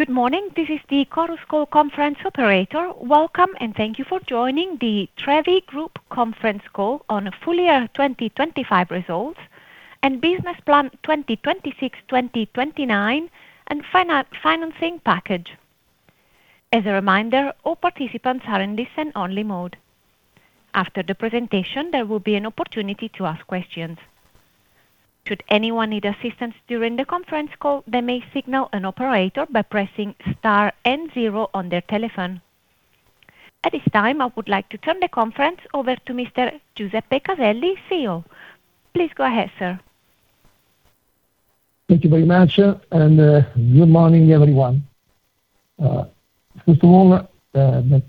Good morning. This is the Chorus Call conference operator. Welcome, and thank you for joining the Trevi Group conference call on full year 2025 results and business plan 2026/2029 and financing package. As a reminder, all participants are in listen only mode. After the presentation, there will be an opportunity to ask questions. Should anyone need assistance during the conference call, they may signal an operator by pressing star and zero on their telephone. At this time, I would like to turn the conference over to Mr. Giuseppe Caselli, CEO. Please go ahead, sir. Thank you very much. Good morning, everyone. First of all, the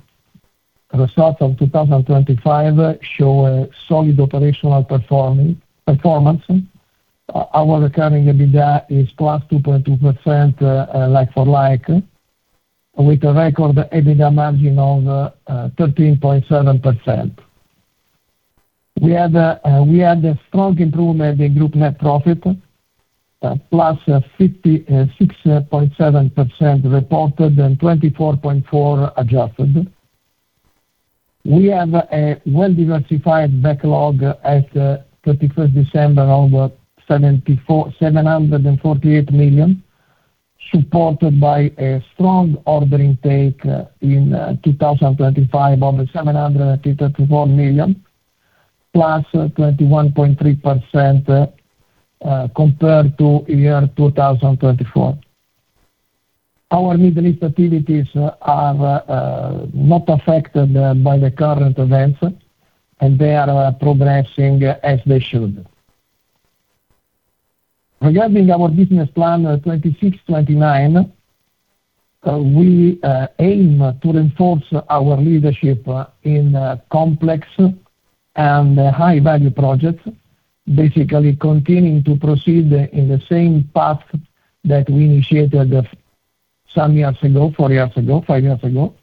results of 2025 show a solid operational performance. Our recurring EBITDA is +2.2%, like for like, with a record EBITDA margin of 13.7%. We had a strong improvement in group net profit, +56.7% reported and 24.4% adjusted. We have a well-diversified backlog at 31 December over 747.48 million, supported by a strong order intake in 2025, over EUR 734 million, +21.3%, compared to year 2024. Our Middle East activities are not affected by the current events, and they are progressing as they should. Regarding our business plan 2026-2029, we aim to reinforce our leadership in complex and high value projects, basically continuing to proceed in the same path that we initiated some years ago, four years ago, five years ago.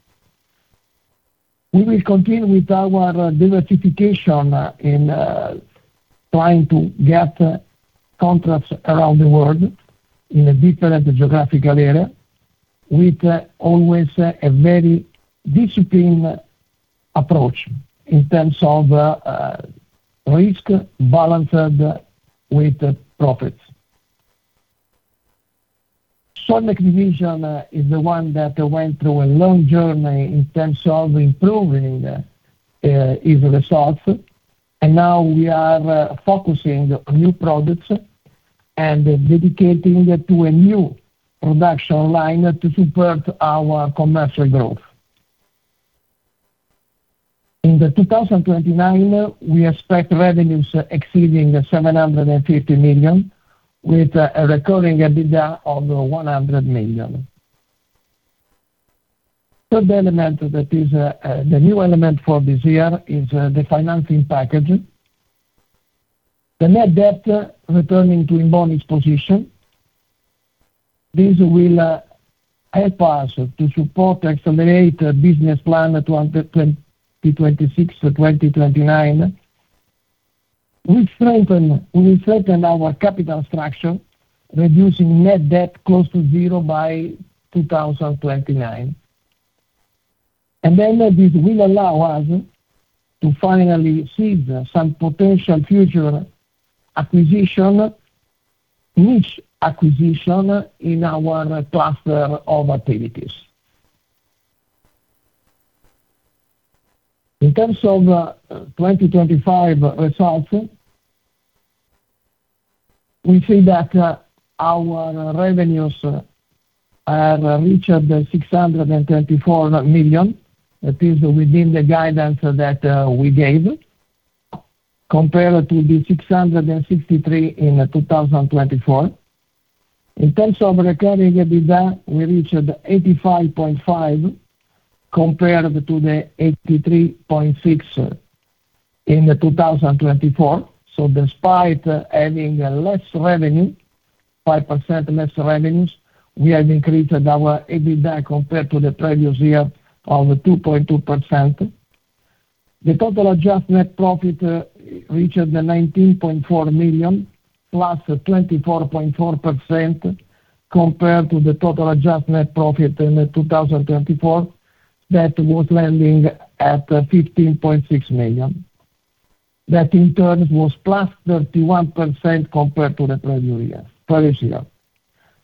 We will continue with our diversification in trying to get contracts around the world in a different geographical area with always a very disciplined approach in terms of risk balanced with profits. Soilmec division is the one that went through a long journey in terms of improving its results. Now we are focusing on new products and dedicating to a new production line to support our commercial growth. In 2029, we expect revenues exceeding 750 million, with a recurring EBITDA of 100 million. Third element that is, the new element for this year is, the financing package. The net debt returning to in bonis position. This will help us to support, accelerate business plan towards 2026 to 2029. We strengthen our capital structure, reducing net debt close to zero by 2029. This will allow us to finally seize some potential future acquisition, each acquisition in our cluster of activities. In terms of 2025 results, we see that our revenues have reached 634 million. That is within the guidance that we gave, compared to the 663 million in 2024. In terms of recurring EBITDA, we reached 85.5 million, compared to the 83.6 million in 2024. Despite having less revenue, 5% less revenues, we have increased our EBITDA compared to the previous year of 2.2%. The total adjusted net profit reached 19.4 million, +24.4% compared to the total adjusted net profit in 2024. That was landing at 15.6 million. That in turn was +31% compared to the previous year.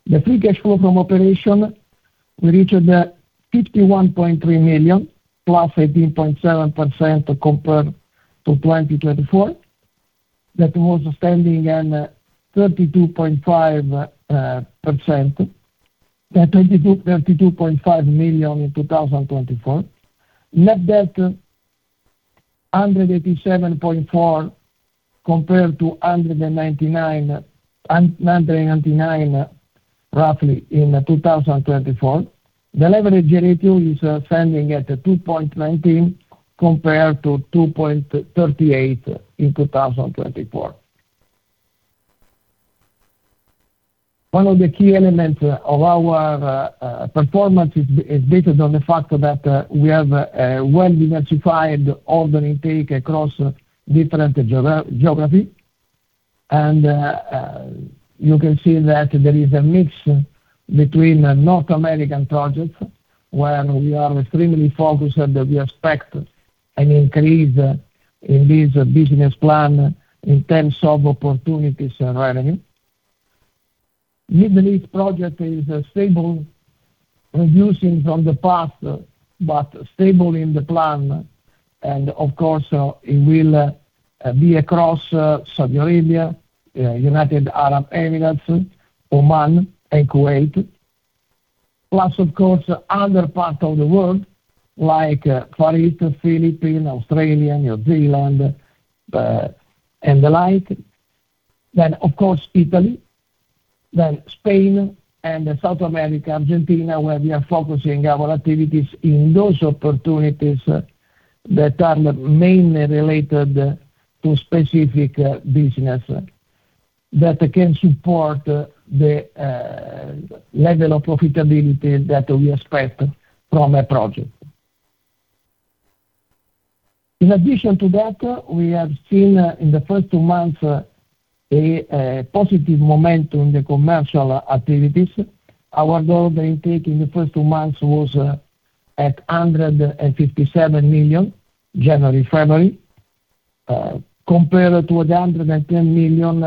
The free cash flow from operation, we reached 51.3 million, +18.7% compared to 2024. That was standing at 32.5 million in 2024. Net debt, 187.4 million compared to 199 million roughly in 2024. The leverage ratio is standing at 2.19 compared to 2.38 in 2024. One of the key elements of our performance is based on the fact that we have a well-diversified order intake across different geography. You can see that there is a mix between North American projects where we are extremely focused and we expect an increase in this business plan in terms of opportunities and revenue. Middle East project is stable, reducing from the past, but stable in the plan. Of course, it will be across Saudi Arabia, United Arab Emirates, Oman and Kuwait, plus of course other parts of the world like Far East, Philippines, Australia, New Zealand, and the like. Of course Italy, Spain and South America, Argentina, where we are focusing our activities in those opportunities that are mainly related to specific business that can support the level of profitability that we expect from a project. In addition to that, we have seen in the first two months a positive momentum in the commercial activities. Our order intake in the first two months was 157 million, January, February, compared to the 110 million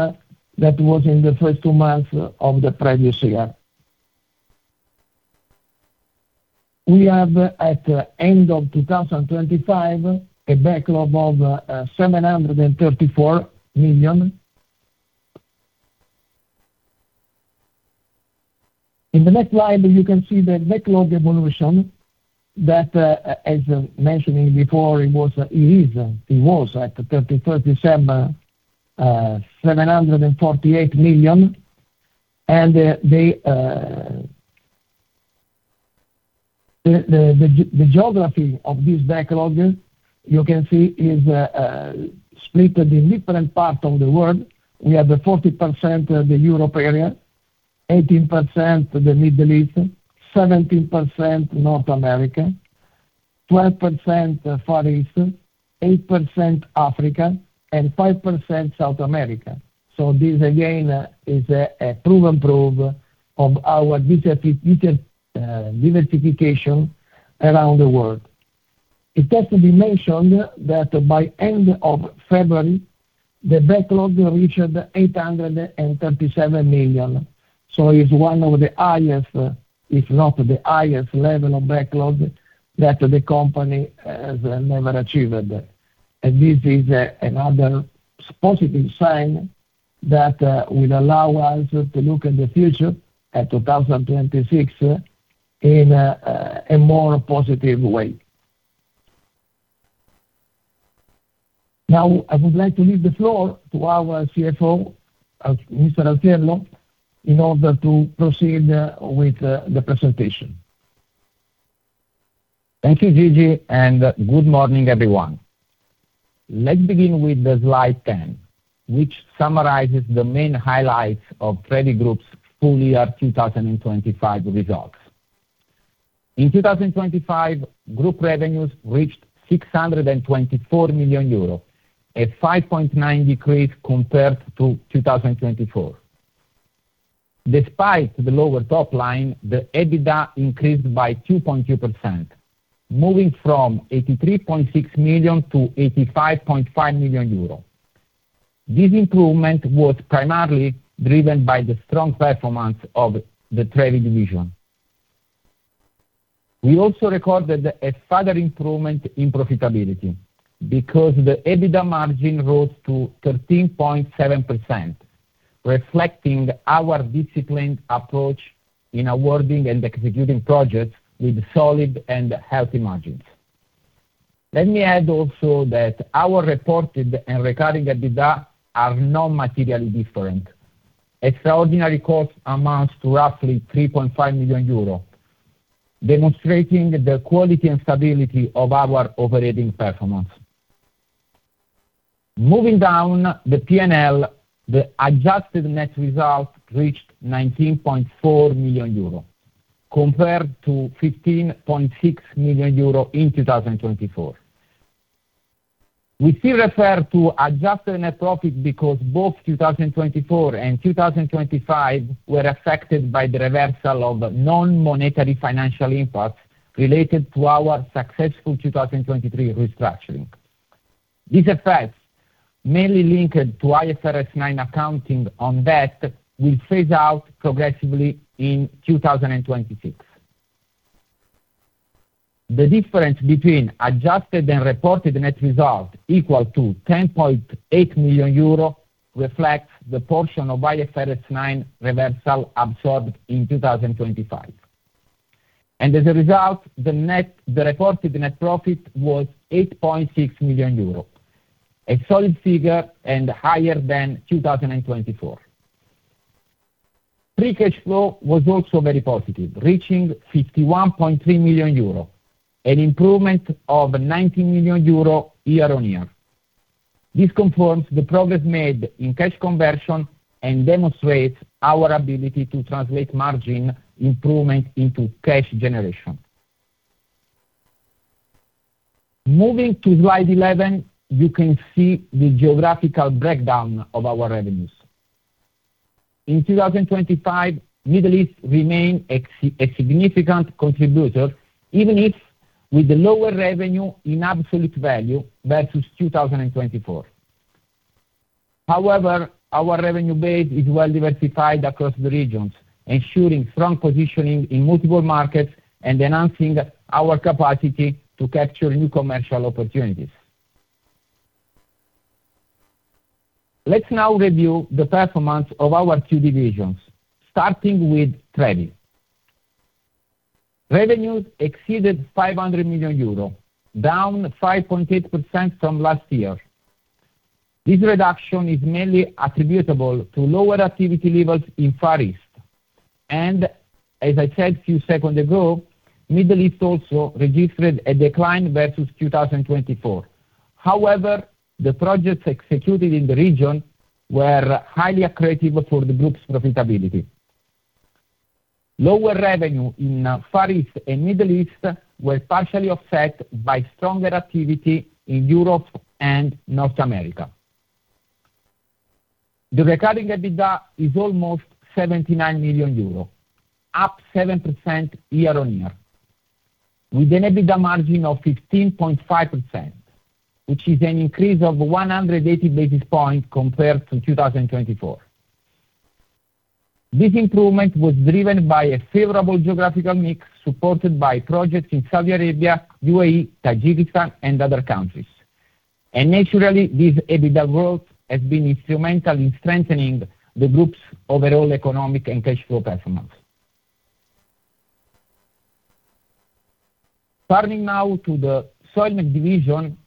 that was in the first two months of the previous year. We have, at the end of 2025, a backlog of EUR 734 million. In the next slide, you can see the backlog evolution that, as mentioned before, was EUR 748 million at 31 December. The geography of this backlog, you can see is split in different parts of the world. We have 40% the Europe area, 18% the Middle East, 17% North America, 12% Far East, 8% Africa and 5% South America. This again is a proven proof of our diversification around the world. It has to be mentioned that by end of February, the backlog reached 837 million. It's one of the highest, if not the highest level of backlog that the company has never achieved. This is another positive sign that will allow us to look at the future at 2026 in a more positive way. Now, I would like to leave the floor to our CFO, Mr. Auciello, in order to proceed with the presentation. Thank you, Gigi, and good morning, everyone. Let's begin with the slide 10, which summarizes the main highlights of Trevi Group's full year 2025 results. In 2025, group revenues reached 624 million euros, a 5.9% decrease compared to 2024. Despite the lower top line, the EBITDA increased by 2.2%, moving from 83.6 million to 85.5 million euro. This improvement was primarily driven by the strong performance of the Trevi division. We also recorded a further improvement in profitability because the EBITDA margin rose to 13.7%, reflecting our disciplined approach in awarding and executing projects with solid and healthy margins. Let me add also that our reported and recurring EBITDA are not materially different. Extraordinary costs amounts to roughly 3.5 million euros, demonstrating the quality and stability of our operating performance. Moving down the PNL, the adjusted net results reached 19.4 million euro, compared to 15.6 million euro in 2024. We still refer to adjusted net profit because both 2024 and 2025 were affected by the reversal of non-monetary financial impacts related to our successful 2023 restructuring. These effects, mainly linked to IFRS 9 accounting on that, will phase out progressively in 2026. The difference between adjusted and reported net result equal to 10.8 million euro reflects the portion of IFRS 9 reversal absorbed in 2025. As a result, the reported net profit was 8.6 million euros, a solid figure and higher than 2024. Free cash flow was also very positive, reaching 51.3 million euro, an improvement of 19 million euro year on year. This confirms the progress made in cash conversion and demonstrates our ability to translate margin improvement into cash generation. Moving to slide 11, you can see the geographical breakdown of our revenues. In 2025, Middle East remained a significant contributor, even if with lower revenue in absolute value versus 2024. However, our revenue base is well diversified across the regions, ensuring strong positioning in multiple markets and enhancing our capacity to capture new commercial opportunities. Let's now review the performance of our two divisions, starting with Trevi. Revenues exceeded 500 million euro, down 5.8% from last year. This reduction is mainly attributable to lower activity levels in Far East. As I said a few seconds ago, Middle East also registered a decline versus 2024. However, the projects executed in the region were highly accretive for the group's profitability. Lower revenue in Far East and Middle East were partially offset by stronger activity in Europe and North America. The recording EBITDA is almost 79 million euro, up 7% year on year, with an EBITDA margin of 15.5%, which is an increase of 180 basis points compared to 2024. This improvement was driven by a favorable geographical mix supported by projects in Saudi Arabia, UAE, Tajikistan, and other countries. Naturally, this EBITDA growth has been instrumental in strengthening the group's overall economic and cash flow performance. Turning now to the Soilmec division,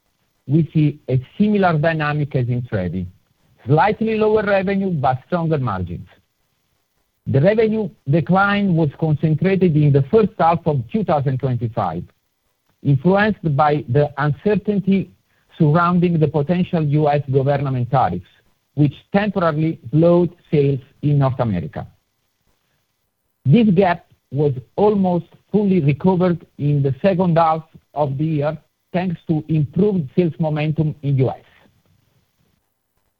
we see a similar dynamic as in Trevi, slightly lower revenue but stronger margins. The revenue decline was concentrated in the first half of 2025, influenced by the uncertainty surrounding the potential U.S. government tariffs, which temporarily slowed sales in North America. This gap was almost fully recovered in the second half of the year, thanks to improved sales momentum in U.S.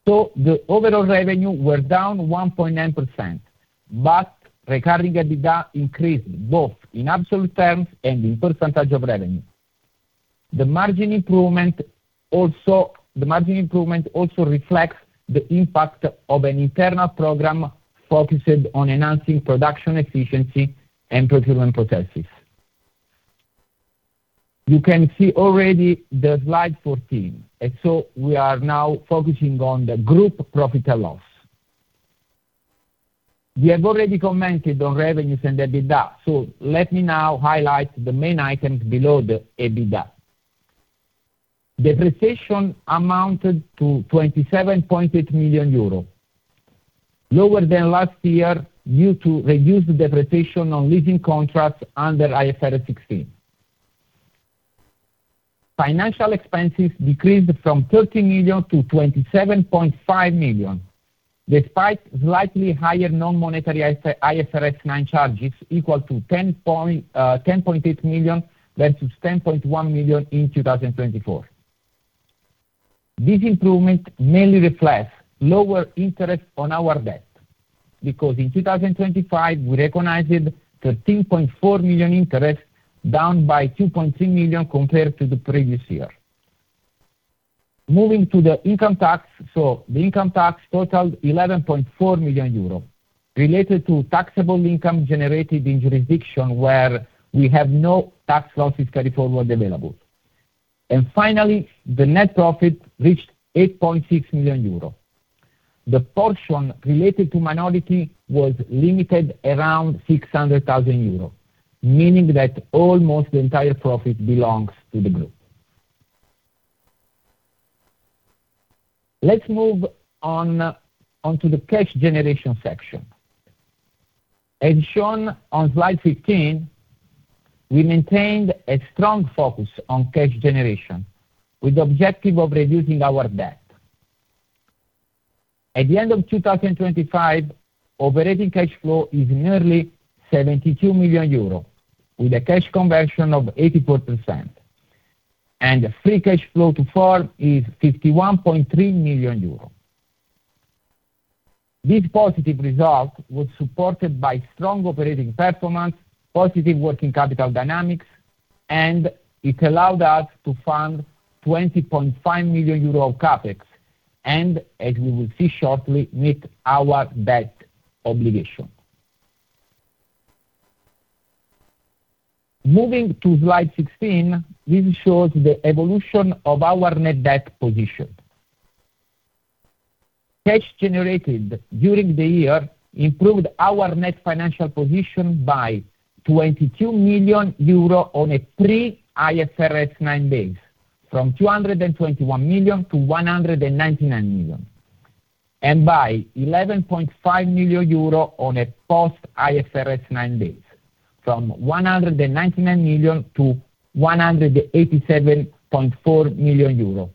The overall revenue were down 1.9%, but recurring EBITDA increased both in absolute terms and in percentage of revenue. The margin improvement also reflects the impact of an internal program focused on enhancing production efficiency and procurement processes. You can see already the slide 14, and so we are now focusing on the group profit and loss. We have already commented on revenues and EBITDA, so let me now highlight the main items below the EBITDA. Depreciation amounted to 27.8 million euro, lower than last year due to reduced depreciation on leasing contracts under IFRS 16. Financial expenses decreased from 13 million to 27.5 million, despite slightly higher non-monetary IFRS 9 charges equal to 10.8 million versus 10.1 million in 2024. This improvement mainly reflects lower interest on our debt, because in 2025, we recognized 13.4 million interest, down by 2.3 million compared to the previous year. Moving to the income tax. The income tax totaled 11.4 million euros, related to taxable income generated in jurisdiction where we have no tax loss carryforward available. Finally, the net profit reached 8.6 million euros. The portion related to minority was limited around 600 thousand euros, meaning that almost the entire profit belongs to the group. Let's move on onto the cash generation section. As shown on slide 15, we maintained a strong focus on cash generation with the objective of reducing our debt. At the end of 2025, operating cash flow is nearly 72 million euro with a cash conversion of 80%, and free cash flow to firm is 51.3 million euros. This positive result was supported by strong operating performance, positive working capital dynamics, and it allowed us to fund 20.5 million euro of CapEx and, as we will see shortly, meet our debt obligation. Moving to slide 16, this shows the evolution of our net debt position. Cash generated during the year improved our net financial position by 22 million euro on a pre-IFRS 9 basis from 221 million to 199 million, and by 11.5 million euro on a post-IFRS 9 basis from 199 million to 187.4 million euro.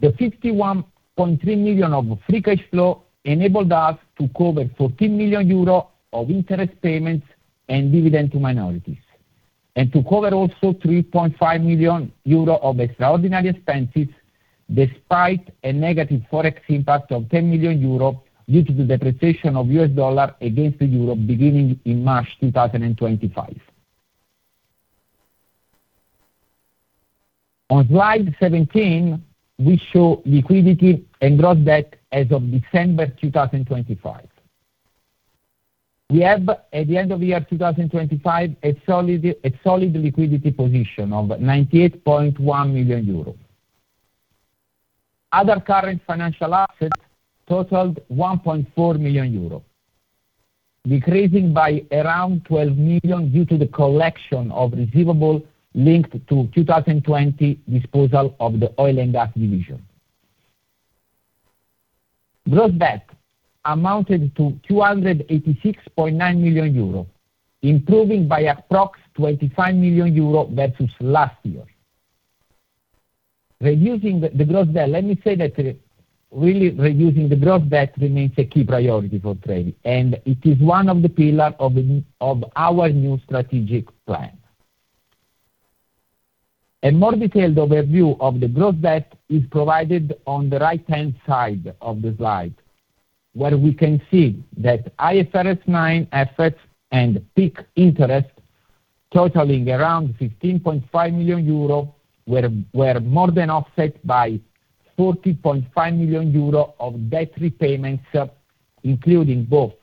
The 51.3 million of free cash flow enabled us to cover 14 million euro of interest payments and dividend to minorities, and to cover also 3.5 million euro of extraordinary expenses, despite a negative Forex impact of 10 million euro due to the depreciation of U.S. dollar against the euro beginning in March 2025. On slide 17, we show liquidity and gross debt as of December 2025. We have, at the end of 2025, a solid liquidity position of 98.1 million euros. Other current financial assets totaled 1.4 million euros, decreasing by around 12 million due to the collection of receivable linked to 2020 disposal of the oil and gas division. Gross debt amounted to 286.9 million euros, improving by approximately 25 million euros versus last year. Reducing the gross debt, let me say that really reducing the gross debt remains a key priority for Trevi, and it is one of the pillar of our new strategic plan. A more detailed overview of the gross debt is provided on the right-hand side of the slide, where we can see that IFRS 9 assets and pay interest totaling around 15.5 million euro were more than offset by 40.5 million euro of debt repayments, including both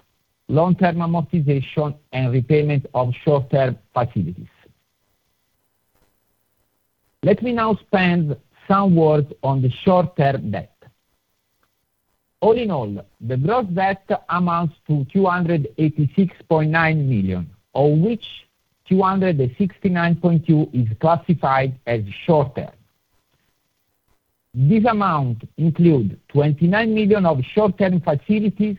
long-term amortization and repayment of short-term facilities. Let me now spend some words on the short-term debt. All in all, the gross debt amounts to 286.9 million, of which 269.2 million is classified as short-term. This amount include 29 million of short-term facilities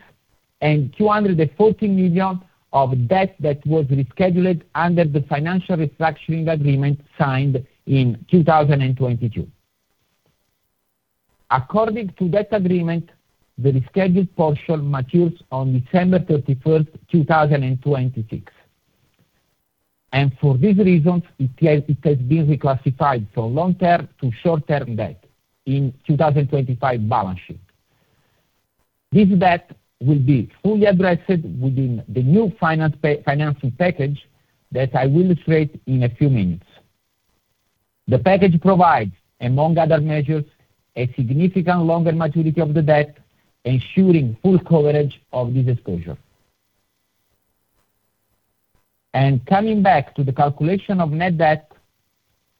and 214 million of debt that was rescheduled under the financial restructuring agreement signed in 2022. According to that agreement, the rescheduled portion matures on December 31, 2026. For these reasons, it has been reclassified from long-term to short-term debt in 2025 balance sheet. This debt will be fully addressed within the new financing package that I will illustrate in a few minutes. The package provides, among other measures, a significant longer maturity of the debt, ensuring full coverage of this exposure. Coming back to the calculation of net debt,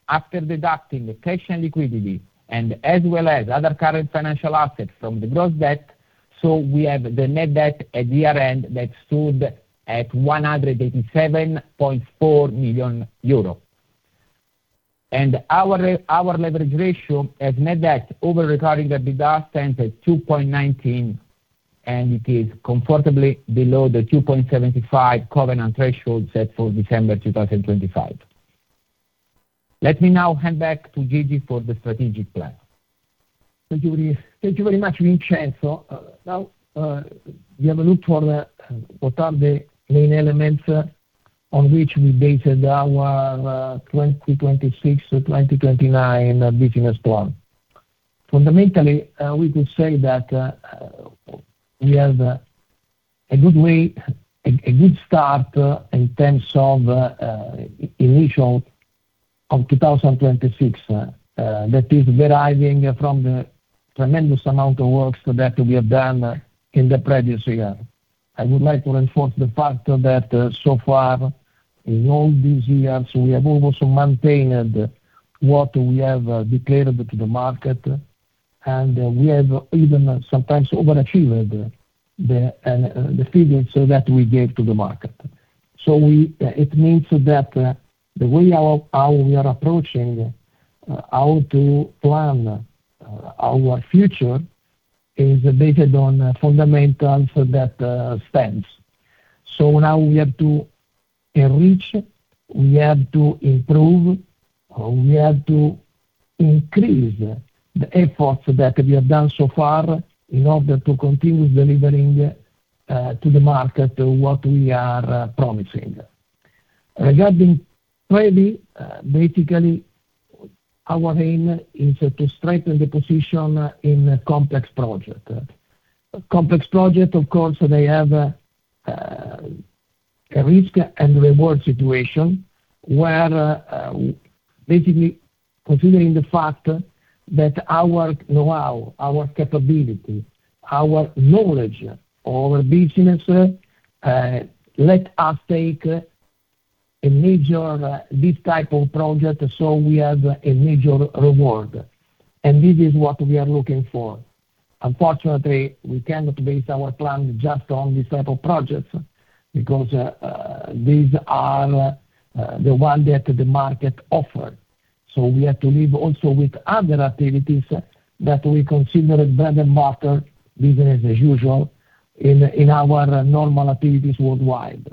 after deducting the cash and liquidity and as well as other current financial assets from the gross debt, so we have the net debt at year-end that stood at 187.4 million euro. Our leverage ratio as net debt over recurring EBITDA stands at 2.19, and it is comfortably below the 2.75 covenant threshold set for December 2025. Let me now hand back to Gigi for the strategic plan. Thank you very much, Vincenzo. Now we have a look at what are the main elements on which we based our 2026 to 2029 business plan. Fundamentally, we could say that we have a good way, a good start in terms of initial of 2026, that is deriving from the tremendous amount of work that we have done in the previous year. I would like to reinforce the fact that so far in all these years, we have also maintained what we have declared to the market, and we have even sometimes overachieved the figures that we gave to the market. It means that the way of how we are approaching how to plan our future is based on fundamentals that stands. Now we have to enrich, we have to improve, we have to increase the efforts that we have done so far in order to continue delivering to the market what we are promising. Regarding Trevi, basically our aim is to strengthen the position in a complex project. Complex project, of course, they have a risk and reward situation where, basically, considering the fact that our know-how, our capability, our knowledge of business, let us take on this type of project, so we have a major reward. This is what we are looking for. Unfortunately, we cannot base our plan just on this type of projects because these are the one that the market offer. We have to live also with other activities that we consider bread and butter business as usual in our normal activities worldwide.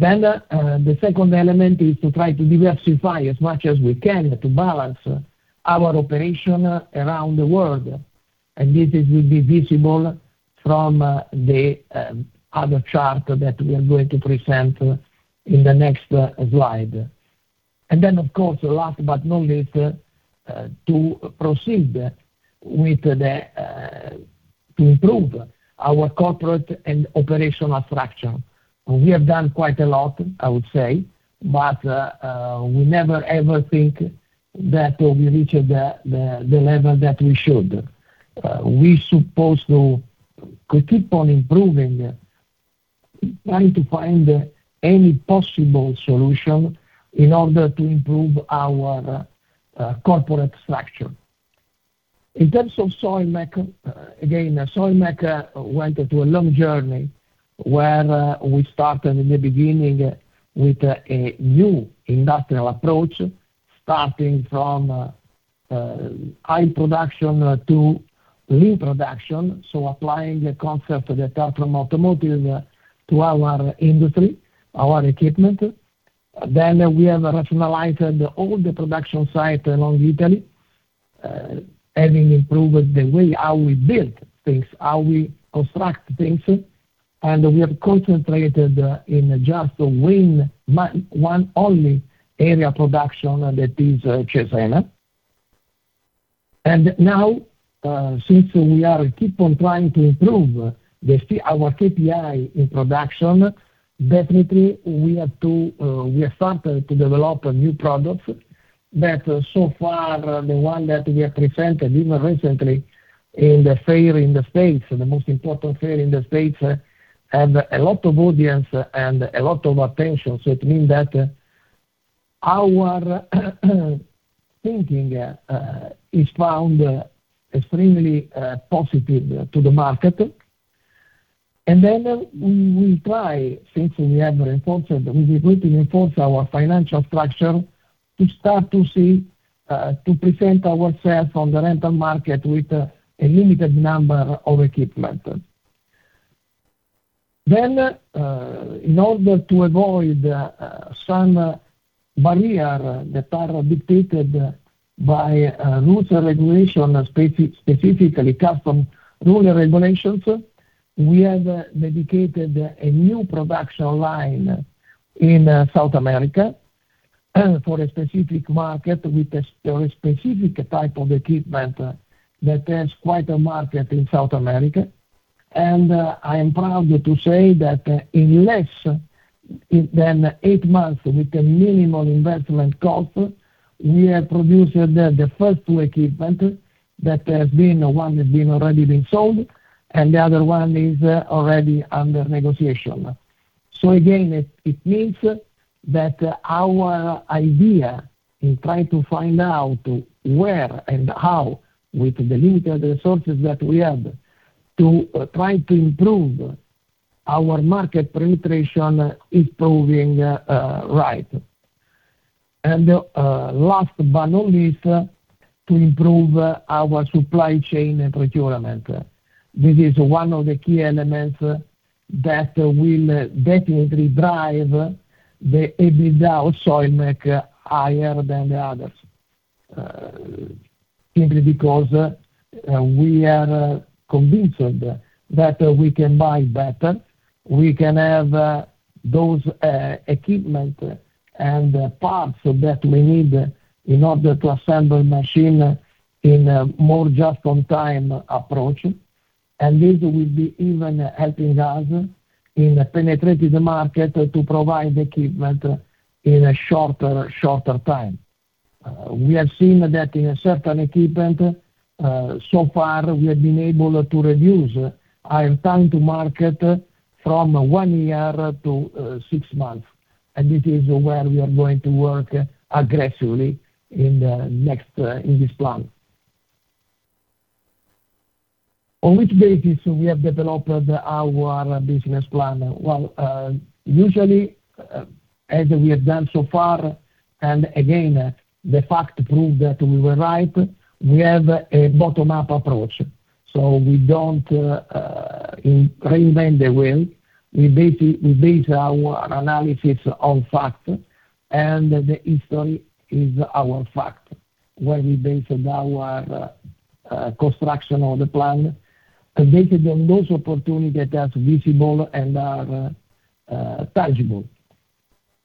The second element is to try to diversify as much as we can to balance our operation around the world. This will be visible from the other chart that we are going to present in the next slide. Of course, last but not least, to improve our corporate and operational structure. We have done quite a lot, I would say, but we never, ever think that we reached the level that we should. We supposed to keep on improving, trying to find any possible solution in order to improve our corporate structure. In terms of Soilmec, again, Soilmec went to a long journey where we started in the beginning with a new industrial approach, starting from high production to lean production. Applying the concept that come from automotive to our industry, our equipment. We have rationalized all the production site along Italy, having improved the way how we build things, how we construct things. We have concentrated in just in one only area production, that is Cesena. Now, since we keep on trying to improve our KPI in production, definitely we have to we have started to develop new products that so far, the one that we have presented even recently in the fair in the States, the most important fair in the States, have a lot of audience and a lot of attention. It means that our thinking is found extremely positive to the market. We will try, since we have reinforced, we will reinforce our financial structure to present ourselves on the rental market with a limited number of equipment. In order to avoid some barriers that are dictated by rules and regulations, specifically customs rules and regulations, we have dedicated a new production line in South America for a specific market with a specific type of equipment that has quite a market in South America. I am proud to say that in less than eight months, with a minimal investment cost, we have produced the first two equipment; one has already been sold, and the other one is already under negotiation. Again, it means that our idea in trying to find out where and how with the limited resources that we have to try to improve our market penetration is proving right. Last but not least, to improve our supply chain and procurement. This is one of the key elements that will definitely drive the EBITDA of Soilmec higher than the others. Simply because we are convinced that we can buy better. We can have those equipment and parts that we need in order to assemble machine in a more just on time approach. This will be even helping us in penetrating the market to provide the equipment in a shorter time. We have seen that in a certain equipment, so far we have been able to reduce our time to market from one year to six months. This is where we are going to work aggressively in the next, in this plan. On which basis we have developed our business plan? Well, usually, as we have done so far, and again, the fact proved that we were right, we have a bottom-up approach. We don't reinvent the wheel. We base our analysis on fact, and the history is our fact, where we based our construction of the plan based on those opportunities that are visible and are tangible.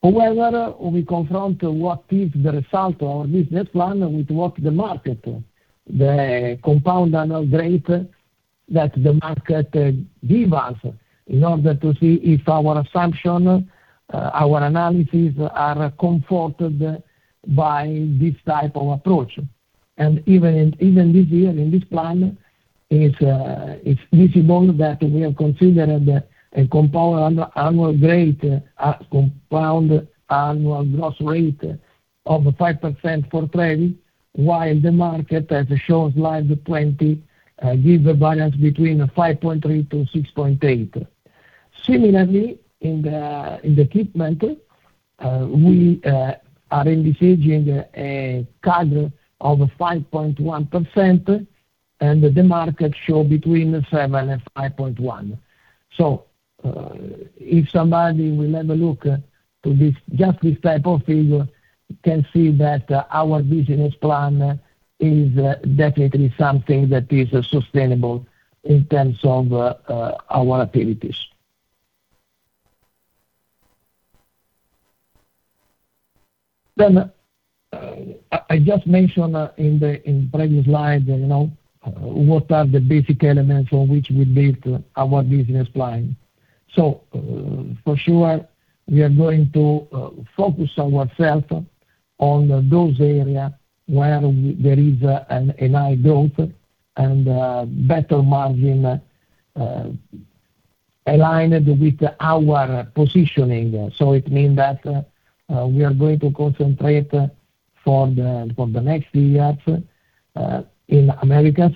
However, we confront what is the result of this plan with what the market, the compound annual rate that the market give us in order to see if our assumption, our analysis are comforted by this type of approach. Even this year, in this plan, it's visible that we have considered a compound annual growth rate of 5% for drilling, while the market, as shows slide 20, gives a variance between 5.3%-6.8%. Similarly, in the equipment, we are envisaging a CAGR of 5.1%, and the market shows between 7%-5.1%. If somebody will have a look to this, just this type of figure, you can see that our business plan is definitely something that is sustainable in terms of our activities. I just mentioned, in the previous slide, you know, what are the basic elements on which we built our business plan. For sure, we are going to focus ourselves on those area where there is a high growth and better margin aligned with our positioning. It mean that we are going to concentrate for the next years in Americas.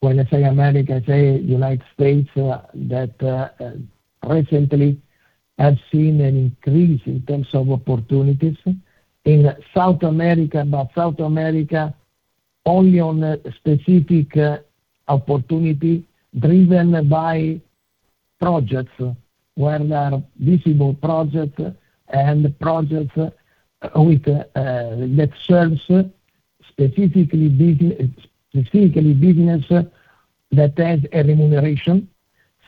When I say America, I say United States that recently have seen an increase in terms of opportunities. In South America, but South America only on a specific opportunity driven by projects where there are visible projects and projects with that serves specifically business that has a remuneration.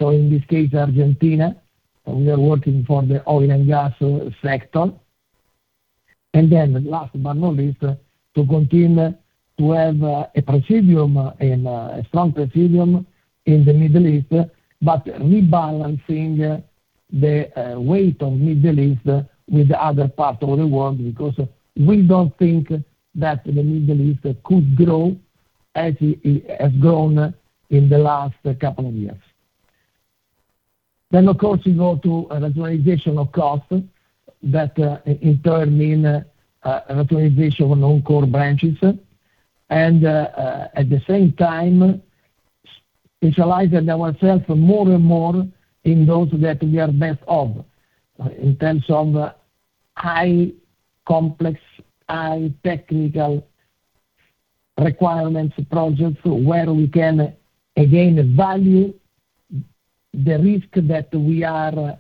In this case, Argentina, we are working for the oil and gas sector. Last but not least, to continue to have a presidium and a strong presidium in the Middle East, but rebalancing the weight of Middle East with other parts of the world, because we don't think that the Middle East could grow as it has grown in the last couple of years. Of course, we go to rationalization of costs that in turn mean rationalization of non-core branches. At the same time, specializing ourselves more and more in those that we are best of. In terms of high complex, high technical requirements projects where we can again value the risk that we are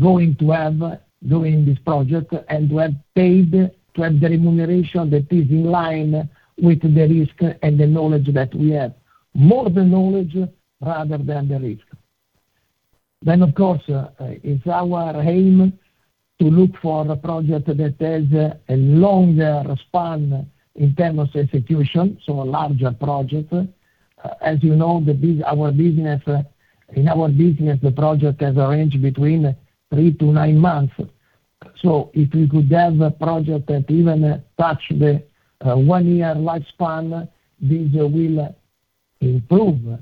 going to have doing this project, and well paid to have the remuneration that is in line with the risk and the knowledge that we have. More the knowledge rather than the risk. Of course, it's our aim to look for a project that has a longer span in terms of execution, so a larger project. As you know, in our business, the project has a range between three to nine months. If we could have a project that even touch the one-year lifespan, this will improve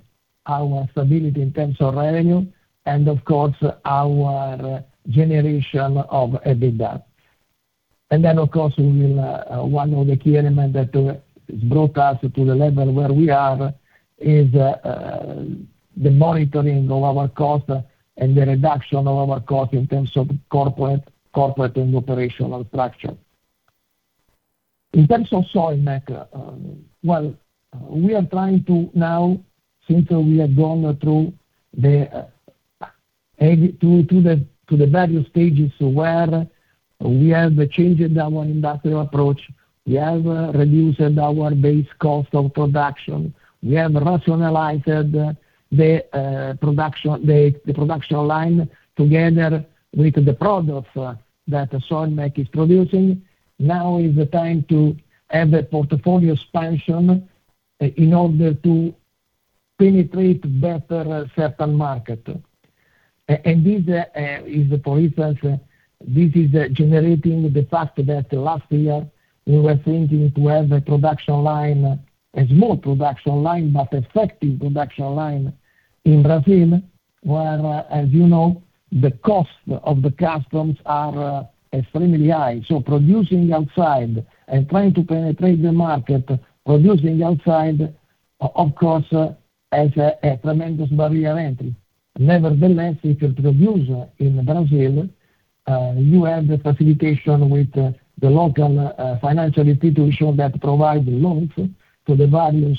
our stability in terms of revenue and of course, our generation of EBITDA. One of the key element that has brought us to the level where we are is the monitoring of our cost and the reduction of our cost in terms of corporate and operational structure. In terms of Soilmec, well, we are trying now, since we have gone through the various stages where we have changed our industrial approach, we have reduced our base cost of production, we have rationalized the production line together with the products that Soilmec is producing. Now is the time to have a portfolio expansion in order to penetrate better certain market. This is for instance generating the fact that last year we were thinking to have a production line, a small production line, but effective production line in Brazil, where, as you know, the cost of the customs are extremely high. Producing outside and trying to penetrate the market, producing outside of course has a tremendous barrier entry. Nevertheless, if you produce in Brazil, you have the facilitation with the local financial institution that provide loans to the various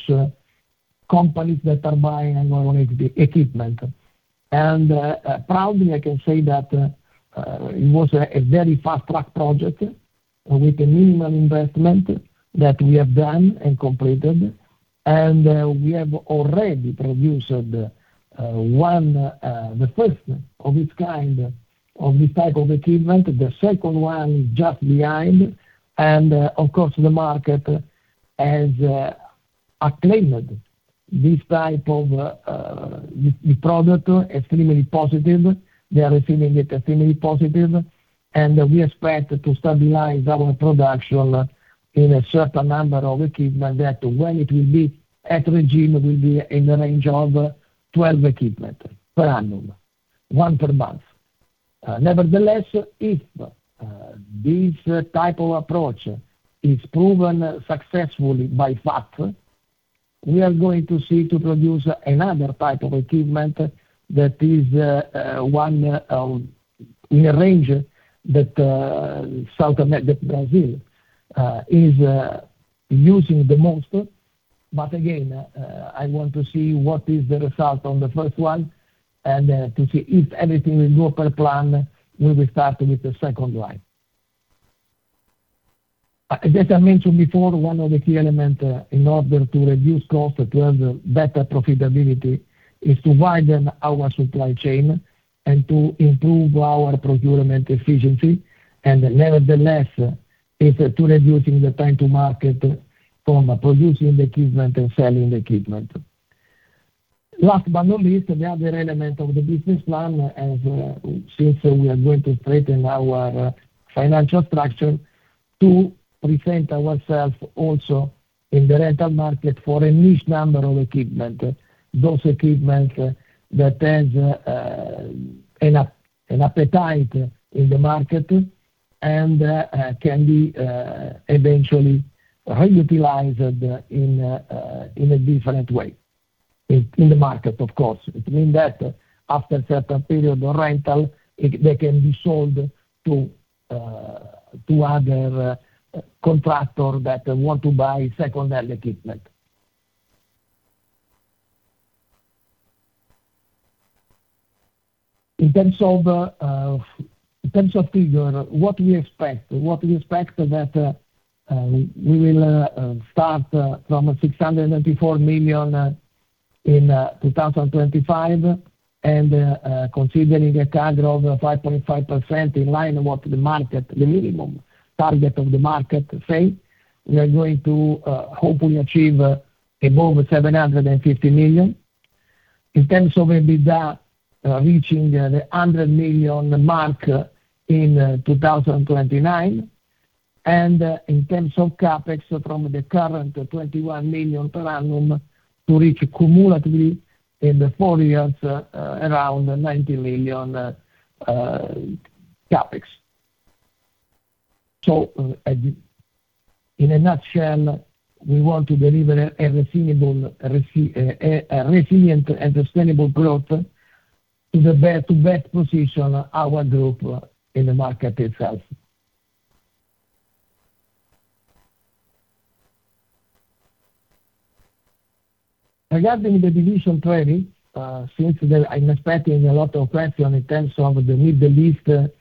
companies that are buying our equipment. Proudly, I can say that it was a very fast-track project with a minimum investment that we have done and completed. We have already produced one, the first of its kind, of this type of equipment. The second one is just behind. Of course, the market has acclaimed this type of the product extremely positive. They are receiving it extremely positive. We expect to stabilize our production in a certain number of equipment that when it will be at regime, it will be in the range of 12 equipment per annum, one per month. Nevertheless, if this type of approach is proven successfully. We are going to seek to produce another type of equipment that is one in a range that Brazil is using the most. Again, I want to see what is the result on the first one and to see if everything will go per plan when we start with the second line. As I mentioned before, one of the key element in order to reduce cost to have better profitability is to widen our supply chain and to improve our procurement efficiency, and nevertheless, is to reducing the time to market from producing the equipment and selling the equipment. Last but not least, the other element of the business plan is since we are going to strengthen our financial structure to present ourselves also in the rental market for a niche number of equipment. Those equipment that has an appetite in the market and can be eventually reutilized in a different way, in the market, of course. It means that after a certain period of rental, they can be sold to other contractors that want to buy second-hand equipment. In terms of figures, what we expect. What we expect that we will start from 644 million in 2025, and considering a CAGR of 5.5% in line with the market, the minimum target of the market say, we are going to hopefully achieve above 750 million. In terms of EBITDA reaching the 100 million mark in 2029. In terms of CapEx from the current 21 million per annum to reach cumulatively in the four years around 90 million CapEx. In a nutshell, we want to deliver a resilient and sustainable growth to the best position our group in the market itself. Regarding the division drilling, I'm expecting a lot of questions in terms of the Middle East,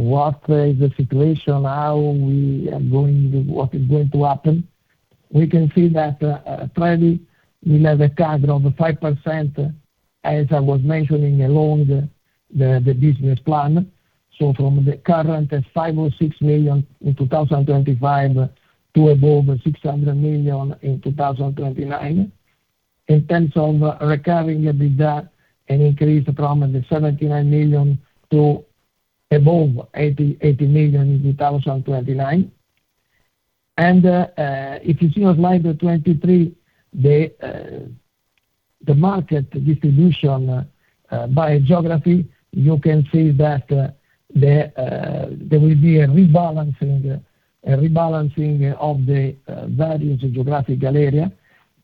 what is the situation, how we are going, what is going to happen. We can see that, drilling will have a CAGR of 5%, as I was mentioning, along the business plan. From the current 5.6 million in 2025 to above 600 million in 2029. In terms of recurring EBITDA, an increase from the 79 million to above 80 million in 2029. If you see on slide 23, the market distribution by geography, you can see that there will be a rebalancing of the various geographical area,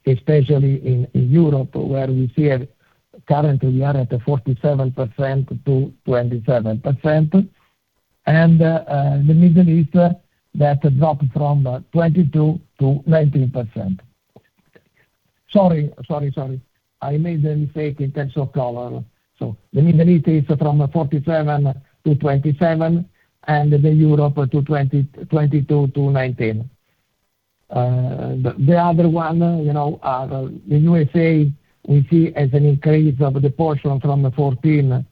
especially in Europe, where we see currently we are at a 47% to 27%. The Middle East that dropped from 22% to 19%. Sorry, I made a mistake in terms of color. The Middle East is from 47% to 27%, and Europe to 22% to 19%. The other one, you know, the USA, we see as an increase of the portion from 14%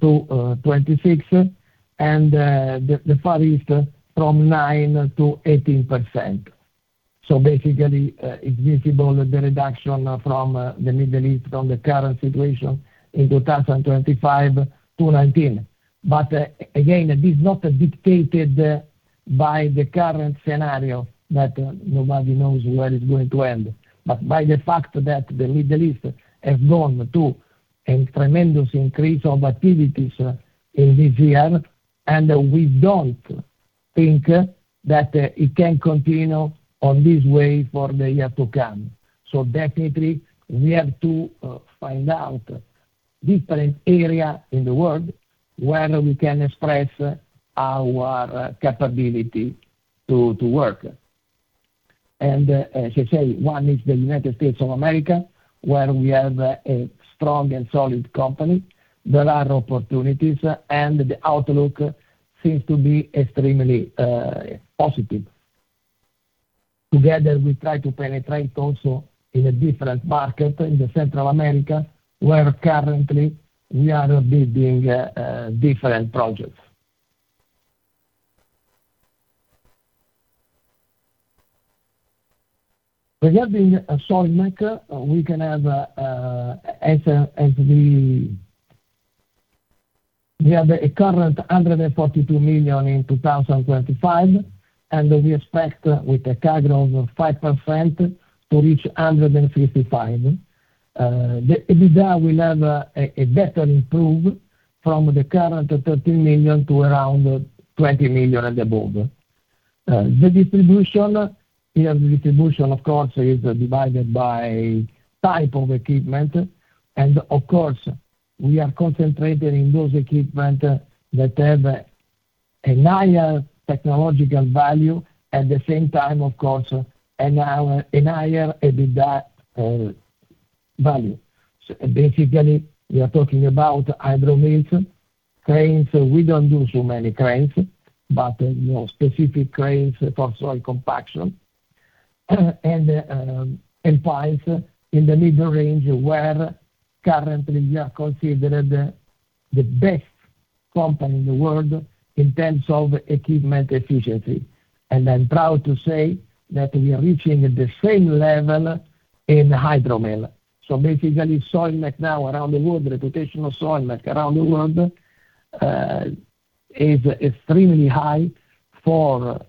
to 26%, and the Far East from 9% to 18%. Basically, it's visible the reduction from the Middle East on the current situation in 2025 to 19. Again, it is not dictated by the current scenario that nobody knows where it's going to end, but by the fact that the Middle East has gone to a tremendous increase of activities in this year, and we don't think that it can continue on this way for the year to come. We have to find out different area in the world where we can express our capability to work. As I say, one is the United States of America, where we have a strong and solid company. There are opportunities, and the outlook seems to be extremely positive. Together, we try to penetrate also in a different market in Central America, where currently we are building different projects. Regarding Soilmec, we can have as we... We have currently 142 million in 2025, and we expect with a CAGR of 5% to reach 155. The EBITDA will have a better improvement from the current 13 million to around 20 million and above. The distribution here is divided by type of equipment. Of course, we are concentrated in those equipment that have a higher technological value at the same time, of course, and a higher EBITDA value. Basically, we are talking about Hydromill, cranes. We don't do so many cranes, but you know, specific cranes for soil compaction, and piles in the middle range, where currently we are considered the best company in the world in terms of equipment efficiency. I'm proud to say that we are reaching the same level in Hydromill. Basically, Soilmec now around the world, the reputation of Soilmec around the world, is extremely high for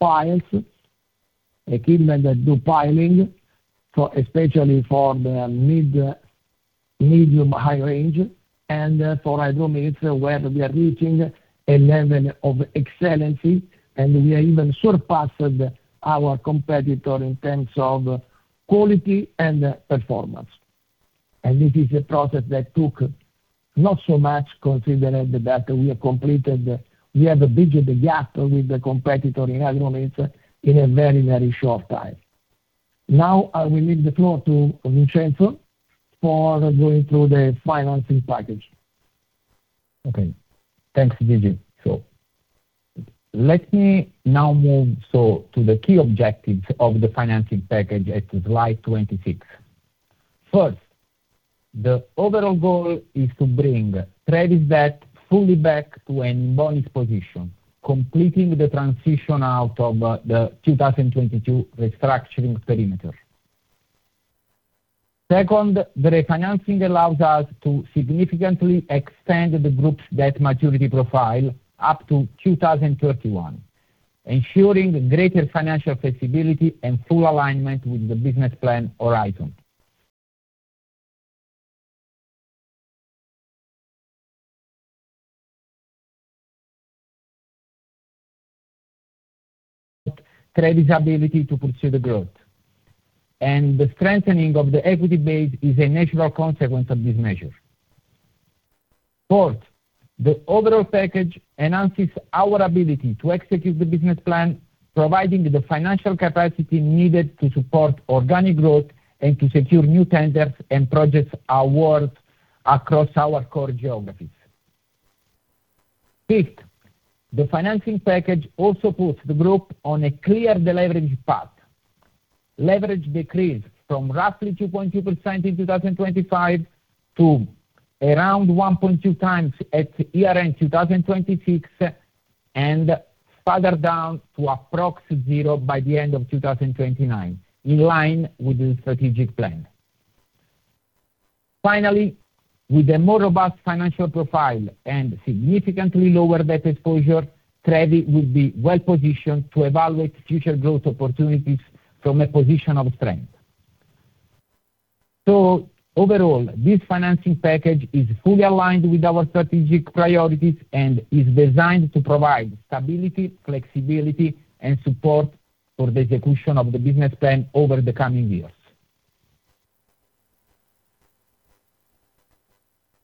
piles, equipment that do piling for, especially for the mid, medium high range and for Hydromills, where we are reaching a level of excellence, and we are even surpassing our competitor in terms of quality and performance. This is a process that took not so much considering that we have completed, we have bridged the gap with the competitor in Hydromills in a very short time. Now, I will leave the floor to Vincenzo for going through the financing package. Okay. Thanks, Gigi. Let me now move so to the key objectives of the financing package at slide 26. First, the overall goal is to bring Trevi's debt fully back to an in bonis position, completing the transition out of the 2022 restructuring perimeter. Second, the refinancing allows us to significantly extend the group's debt maturity profile up to 2031, ensuring greater financial flexibility and full alignment with the business plan horizon. Trevi's ability to pursue the growth and the strengthening of the equity base is a natural consequence of this measure. Fourth, the overall package enhances our ability to execute the business plan, providing the financial capacity needed to support organic growth and to secure new tenders and projects awards across our core geographies. Fifth, the financing package also puts the group on a clear deleverage path. Leverage decreased from roughly 2.2% in 2025 to around 1.2x at year-end 2026, and further down to approximately 0 by the end of 2029, in line with the strategic plan. Finally, with a more robust financial profile and significantly lower debt exposure, Trevi will be well-positioned to evaluate future growth opportunities from a position of strength. Overall, this financing package is fully aligned with our strategic priorities and is designed to provide stability, flexibility, and support for the execution of the business plan over the coming years.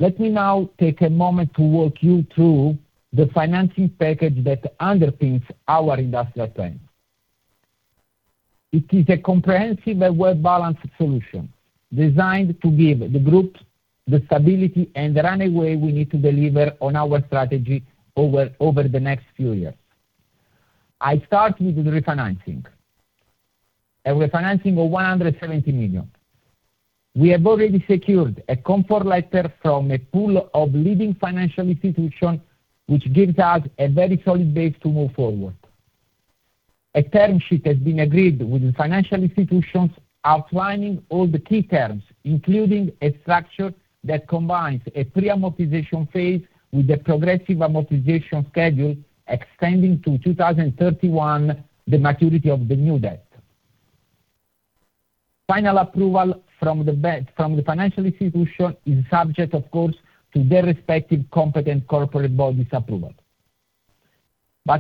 Let me now take a moment to walk you through the financing package that underpins our industrial plan. It is a comprehensive and well-balanced solution designed to give the group the stability and the runway we need to deliver on our strategy over the next few years. I start with the refinancing. A refinancing of 170 million. We have already secured a comfort letter from a pool of leading financial institutions, which gives us a very solid base to move forward. A term sheet has been agreed with the financial institutions outlining all the key terms, including a structure that combines a pre-amortization phase with a progressive amortization schedule extending to 2031, the maturity of the new debt. Final approval from the financial institution is subject, of course, to their respective competent corporate bodies approval.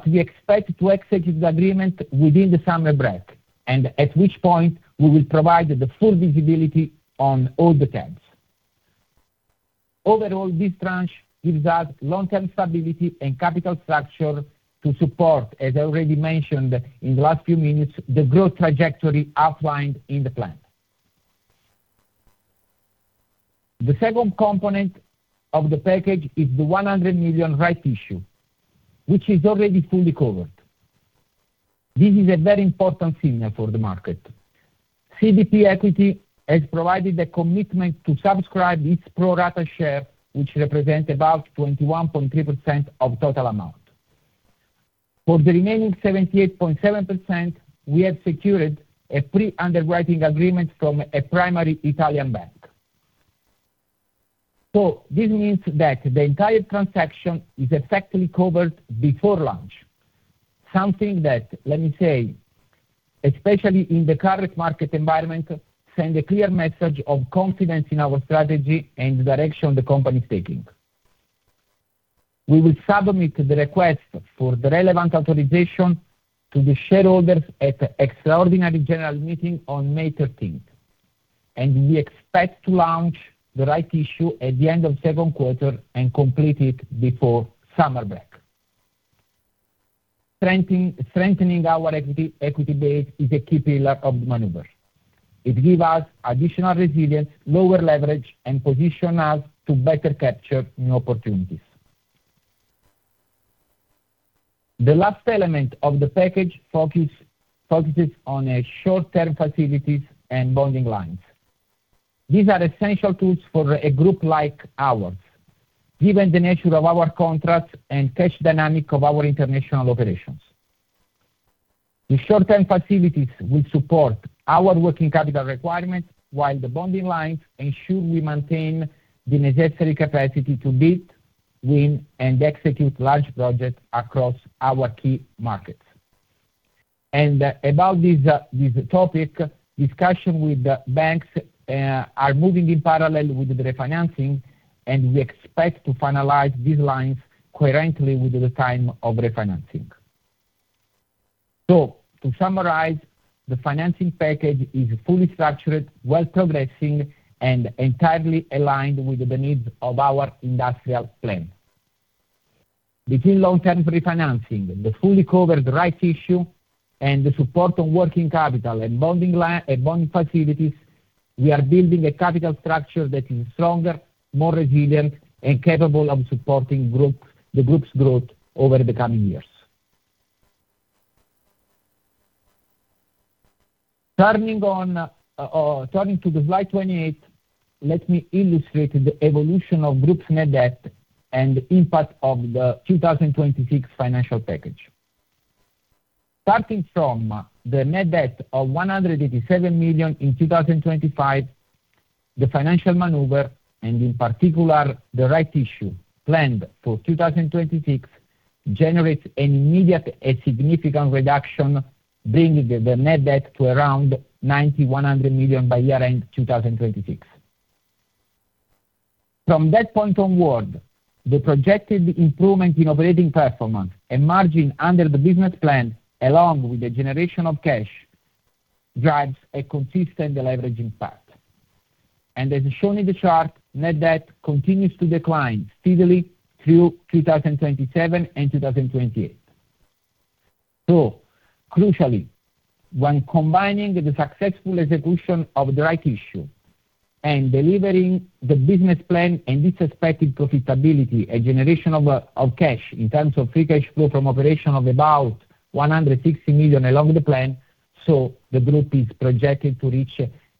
We expect to execute the agreement within the summer break, and at which point, we will provide the full visibility on all the terms. Overall, this tranche gives us long-term stability and capital structure to support, as I already mentioned in the last few minutes, the growth trajectory outlined in the plan. The second component of the package is the 100 million rights issue, which is already fully covered. This is a very important signal for the market. CDP Equity has provided a commitment to subscribe its pro-rata share, which represents about 21.3% of total amount. For the remaining 78.7%, we have secured a pre-underwriting agreement from a primary Italian bank. This means that the entire transaction is effectively covered before launch. Something that, let me say, especially in the current market environment, sends a clear message of confidence in our strategy and the direction the company is taking. We will submit the request for the relevant authorization to the shareholders at the extraordinary general meeting on May thirteenth. We expect to launch the rights issue at the end of second quarter and complete it before summer break. Strengthening our equity base is a key pillar of the maneuver. It give us additional resilience, lower leverage, and position us to better capture new opportunities. The last element of the package focuses on short-term facilities and bonding lines. These are essential tools for a group like ours, given the nature of our contracts and cash dynamic of our international operations. The short-term facilities will support our working capital requirements, while the bonding lines ensure we maintain the necessary capacity to bid, win, and execute large projects across our key markets. About this topic, discussion with the banks are moving in parallel with the refinancing, and we expect to finalize these lines concurrently with the time of refinancing. To summarize, the financing package is fully structured, well progressing, and entirely aligned with the needs of our industrial plan. Between long-term refinancing, the fully covered rights issue, and the support on working capital and bonding lines and bond facilities, we are building a capital structure that is stronger, more resilient, and capable of supporting the Group's growth over the coming years. Turning to the slide 28, let me illustrate the evolution of the Group's net debt and the impact of the 2026 financial package. Starting from the net debt of 187 million in 2025, the financial maneuver, and in particular the rights issue planned for 2026, generates an immediate and significant reduction, bringing the net debt to around 90-100 million by year-end 2026. From that point onward, the projected improvement in operating performance and margin under the business plan, along with the generation of cash, drives a consistent deleveraging path. As shown in the chart, net debt continues to decline steadily through 2027 and 2028. Crucially, when combining the successful execution of the rights issue and delivering the business plan and this expected profitability and generation of cash in terms of free cash flow from operations of about 160 million along the plan, so the group is projected to reach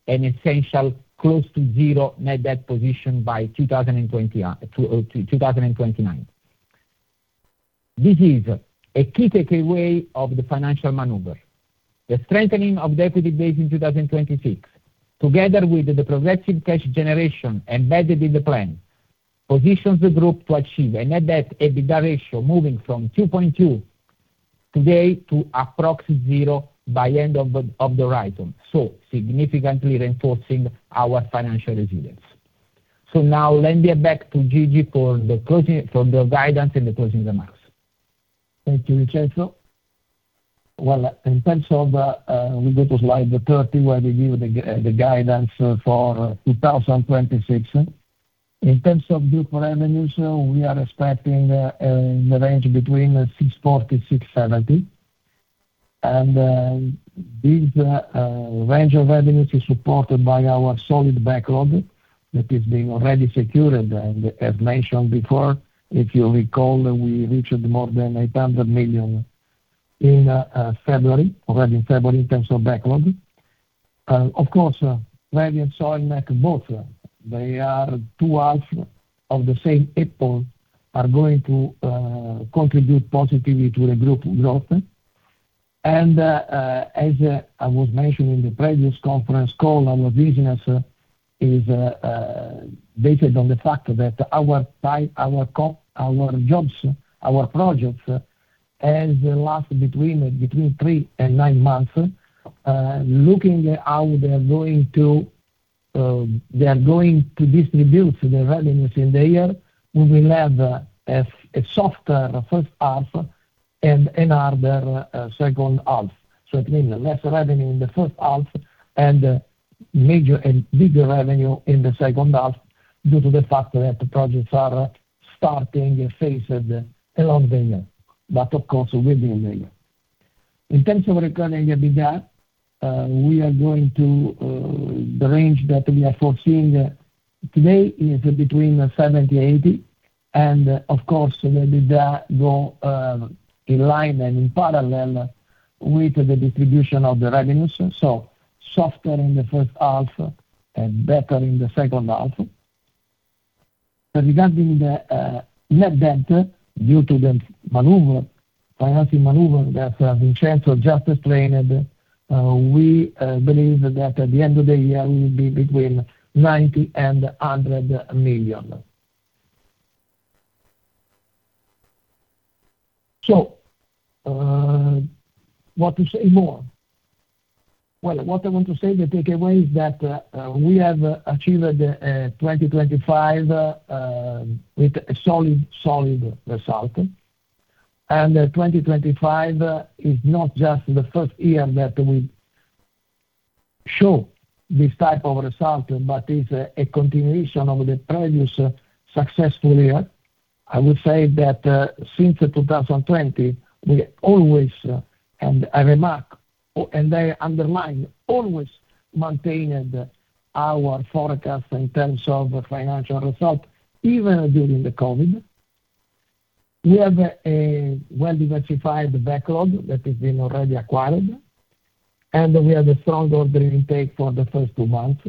an essentially close to zero net debt position by 2029. This is a key takeaway of the financial maneuver. The strengthening of the equity base in 2026, together with the progressive cash generation embedded in the plan, positions the group to achieve a net debt EBITDA ratio moving from 2.2 today to approx. 0 by end of the horizon, so significantly reinforcing our financial resilience. Now let me get back to Gigi for the closing, for the guidance and the closing remarks. Thank you, Vincenzo. Well, in terms of we go to slide 30, where we give the guidance for 2026. In terms of group revenues, we are expecting in the range between 640, 670. This range of revenues is supported by our solid backlog that is being already secured. As mentioned before, if you recall, we reached more than 800 million in February, already in February in terms of backlog. Of course, Trevi and Soilmec both, they are two halves of the same apple, are going to contribute positively to the group growth. As I was mentioning in the previous conference call, our business is based on the fact that our jobs, our projects as they last between three and nine months, looking how they are going to distribute the revenues in the year, we will have a softer first half and harder second half. It means less revenue in the first half and major and bigger revenue in the second half due to the fact that the projects are starting in phases along the year, but of course within the year. In terms of recurring EBITDA, the range that we are foreseeing today is between 70 and 80. Of course, the EBITDA goes in line and in parallel with the distribution of the revenues, so softer in the first half and better in the second half. Regarding net debt due to the financing maneuver that Vincenzo just explained, we believe that at the end of the year we will be between 90 million and EUR 100 million. What to say more? Well, what I want to say, the takeaway is that we have achieved the 2025 with a solid result. 2025 is not just the first year that we show this type of result, but is a continuation of the previous successful year. I would say that since 2020, we always, and I remark, and I underline, always maintained our forecast in terms of financial result, even during the COVID. We have a well-diversified backlog that has been already acquired, and we have a strong order intake for the first two months.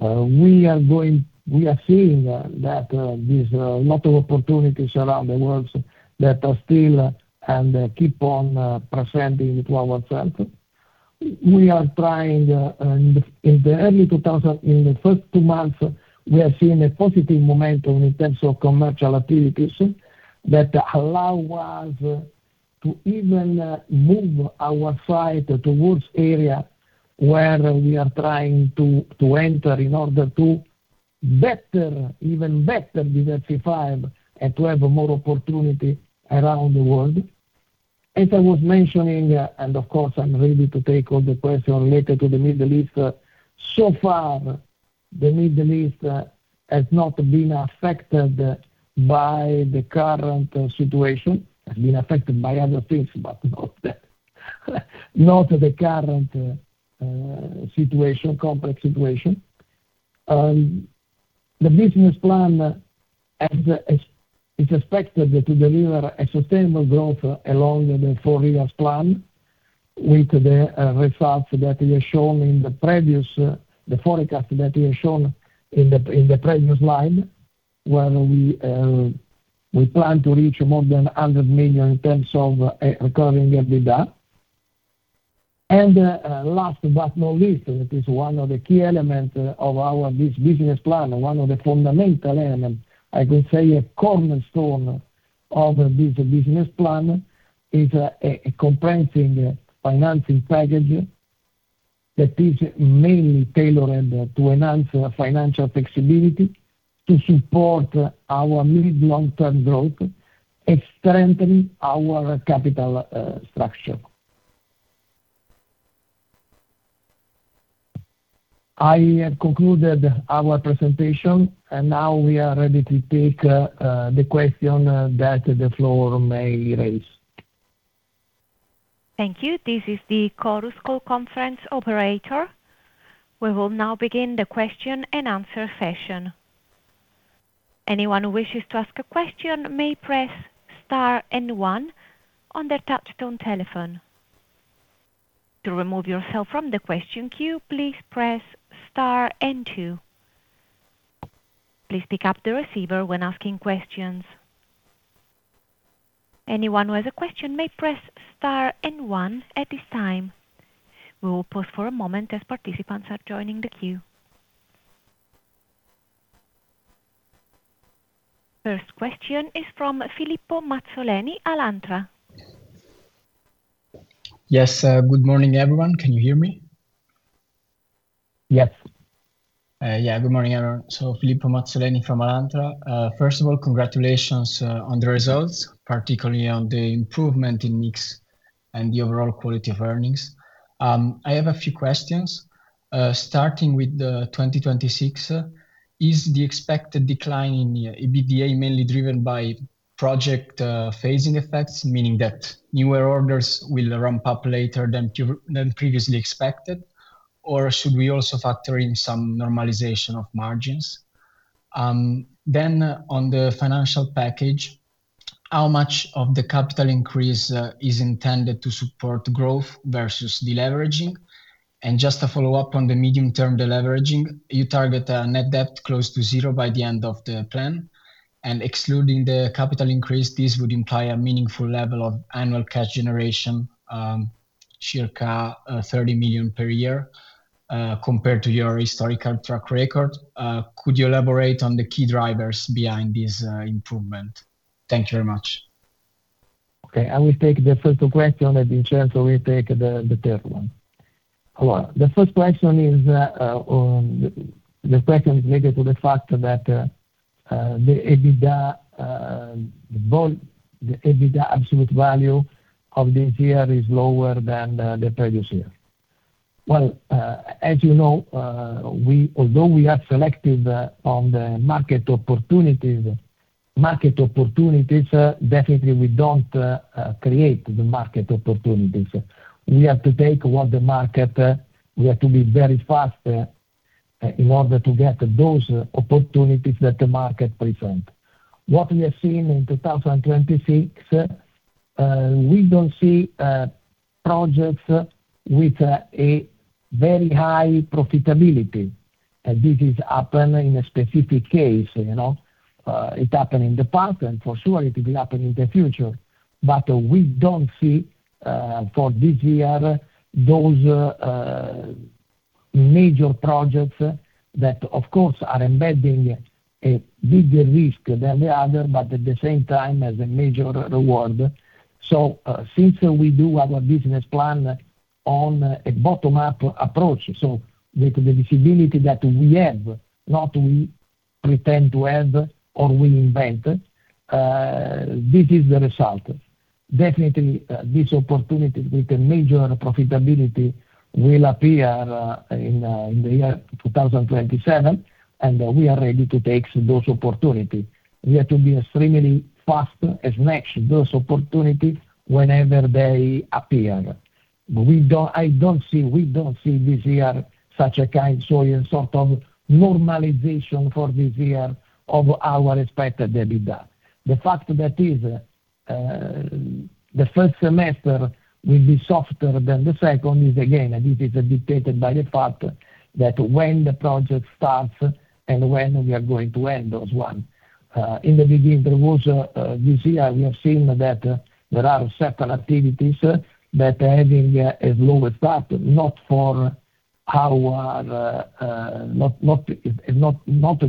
We are seeing that there's a lot of opportunities around the world that are still and keep on presenting to ourselves. We are trying in the early 2000 In the first two months, we are seeing a positive momentum in terms of commercial activities that allow us to even move our sight towards area where we are trying to enter in order to better, even better diversify and to have more opportunity around the world. As I was mentioning, and of course, I'm ready to take all the questions related to the Middle East. So far, the Middle East has not been affected by the current situation, has been affected by other things, but not the current complex situation. The business plan is expected to deliver sustainable growth along the four-year plan with the results that we have shown in the previous slide, where we plan to reach more than 100 million in terms of recurring EBITDA. Last but not least, it is one of the key elements of this business plan, one of the fundamental elements. I could say a cornerstone of this business plan is a comprehensive financing strategy that is mainly tailored to enhance financial flexibility to support our mid- to long-term growth and strengthen our capital structure. I have concluded our presentation, and now we are ready to take the questions that the floor may raise. Thank you. This is the Chorus Call Conference operator. We will now begin the question and answer session. Anyone who wishes to ask a question may press star and one on their touchtone telephone. To remove yourself from the question queue, please press star and two. Please pick up the receiver when asking questions. Anyone who has a question may press Star and One at this time. We will pause for a moment as participants are joining the queue. First question is from Filippo Mazzoleni, Alantra. Yes, good morning, everyone. Can you hear me? Yes. Yeah. Good morning, everyone. Filippo Mazzoleni from Alantra. First of all, congratulations on the results, particularly on the improvement in mix and the overall quality of earnings. I have a few questions, starting with the 2026. Is the expected decline in EBITDA mainly driven by project phasing effects, meaning that newer orders will ramp up later than previously expected? Or should we also factor in some normalization of margins? Then on the financial package, how much of the capital increase is intended to support growth versus deleveraging? Just to follow up on the medium-term deleveraging, you target a net debt close to zero by the end of the plan, and excluding the capital increase, this would imply a meaningful level of annual cash generation, circa 30 million per year, compared to your historical track record. Could you elaborate on the key drivers behind this improvement? Thank you very much. Okay. I will take the first question, and Vincenzo will take the third one. All right. The first question is related to the fact that the EBITDA absolute value of this year is lower than the previous year. Well, as you know, although we are selective on the market opportunities, definitely we don't create the market opportunities. We have to take what the market. We have to be very fast in order to get those opportunities that the market present. What we have seen in 2026, we don't see projects with a very high profitability. This is happen in a specific case, you know. It happened in the past, and for sure it will happen in the future. We don't see, for this year, those major projects that of course are embedding a bigger risk than the other, but at the same time as a major reward. Since we do our business plan on a bottom-up approach, the visibility that we have, not we pretend to have or we invent, this is the result. Definitely, this opportunity with a major profitability will appear in the year 2027, and we are ready to take those opportunity. We have to be extremely fast to snatch those opportunity whenever they appear. We don't see this year such a kind of normalization for this year of our expected EBITDA. The fact that is the first semester will be softer than the second is again this is dictated by the fact that when the project starts and when we are going to end those one. In the beginning, there was this year, we have seen that there are certain activities that are having a slow start, not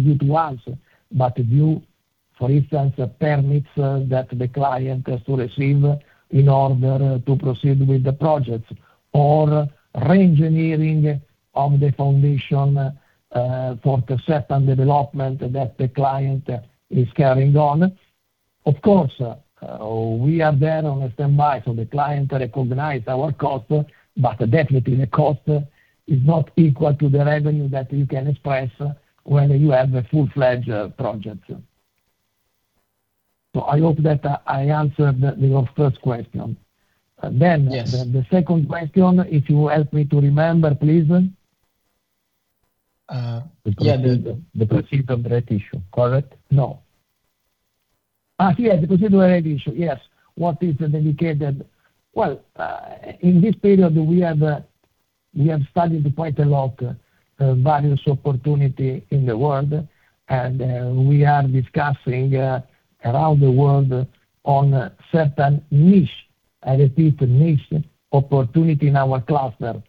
due to us, but due, for instance, permits that the client has to receive in order to proceed with the projects or reengineering of the foundation for certain development that the client is carrying on. Of course, we are there on standby, so the client recognize our cost, but definitely the cost is not equal to the revenue that you can express when you have a full-fledged project. I hope that I answered your first question. Then Yes. The second question, if you help me to remember, please. Yeah. The- The proceeds of the rights issue. Correct? No. Yes, the proceeds of the rights issue. Yes. What is dedicated. Well, in this period, we have studied quite a lot various opportunities in the world, and we are discussing around the world on certain niche, I repeat, niche opportunities in our cluster.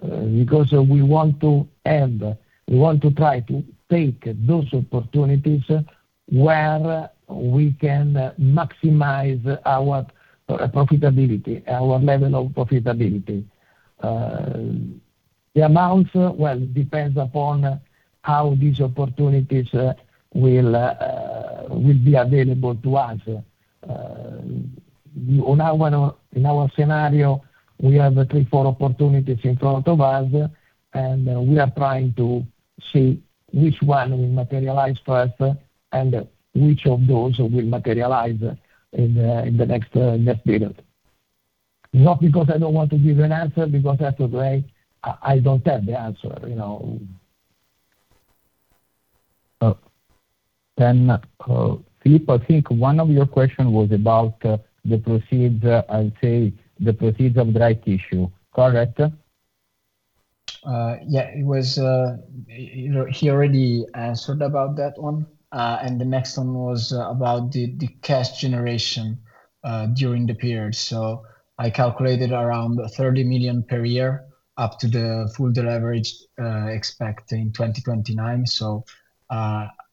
Because we want to have, we want to try to take those opportunities where we can maximize our profitability, our level of profitability. The amount, well, it depends upon how these opportunities will be available to us. You know, in our scenario, we have three, four opportunities in front of us, and we are trying to see which one will materialize first and which of those will materialize in the next period. Not because I don't want to give an answer, because that's the way. I don't have the answer, you know. Filippo, I think one of your question was about the proceeds of the rights issue. Correct? Yeah, it was, you know, he already answered about that one. The next one was about the cash generation during the period. I calculated around 30 million per year up to the full leverage expected in 2029.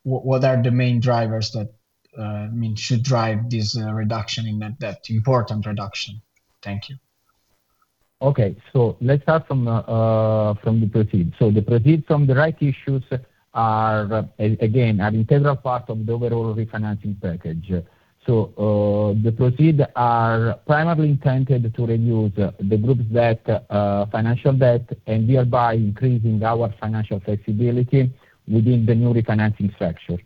What are the main drivers that I mean should drive this reduction in that important reduction? Thank you. Okay. Let's start from the proceeds. The proceeds from the rights issue are, again, an integral part of the overall refinancing package. The proceeds are primarily intended to reduce the group's debt, financial debt, and thereby increasing our financial flexibility within the new refinancing structure.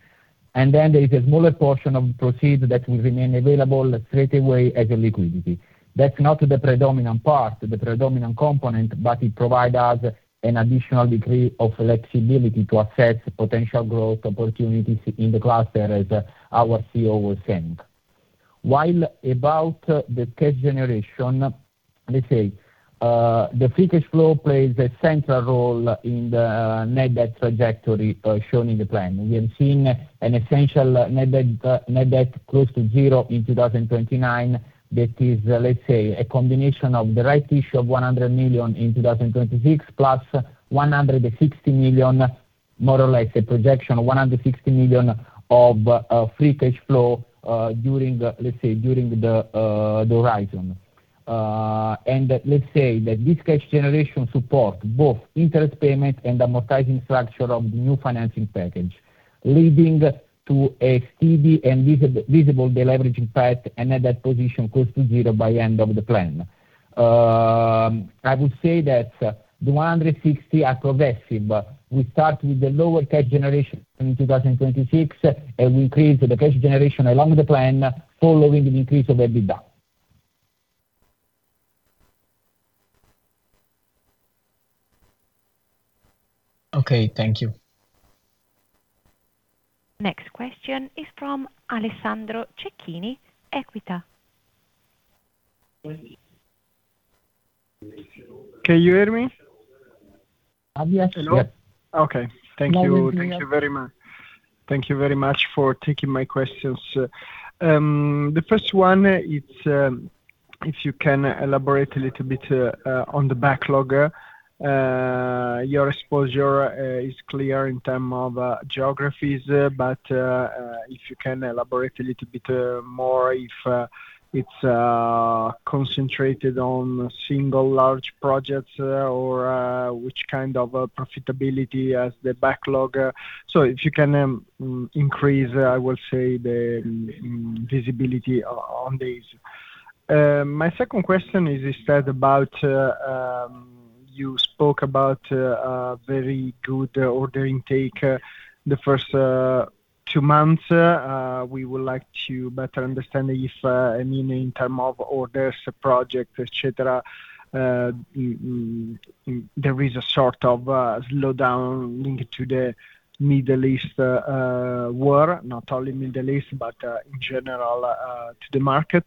There is a smaller portion of the proceeds that will remain available straight away as a liquidity. That's not the predominant part, the predominant component, but it provide us an additional degree of flexibility to assess potential growth opportunities in the cluster, as our CEO was saying. Regarding the cash generation, let's say, the free cash flow plays a central role in the net debt trajectory shown in the plan. We have seen essentially net debt close to zero in 2029. That is, let's say, a combination of the rights issue of 100 million in 2026, plus 160 million, more or less a projection, 160 million of free cash flow during the horizon. Let's say that this cash generation support both interest payment and amortizing structure of the new financing package, leading to a steady and visible deleveraging path and net debt position close to zero by end of the plan. I would say that the 160 are progressive. We start with the lower cash generation in 2026, and we increase the cash generation along the plan following the increase of EBITDA. Okay. Thank you. Next question is from Alessandro Cecchini, Equita. Can you hear me? Yes. Hello? Okay. Thank you very much for taking my questions. The first one, it's if you can elaborate a little bit on the backlog. Your exposure is clear in terms of geographies, but if you can elaborate a little bit more if it's concentrated on single large projects or which kind of profitability the backlog has. If you can increase, I will say, the visibility on this. My second question is instead about, you spoke about a very good order intake in the first two months. We would like to better understand if, I mean, in terms of orders, projects, et cetera, there is a sort of a slowdown linked to the Middle East war, not only Middle East, but in general to the market.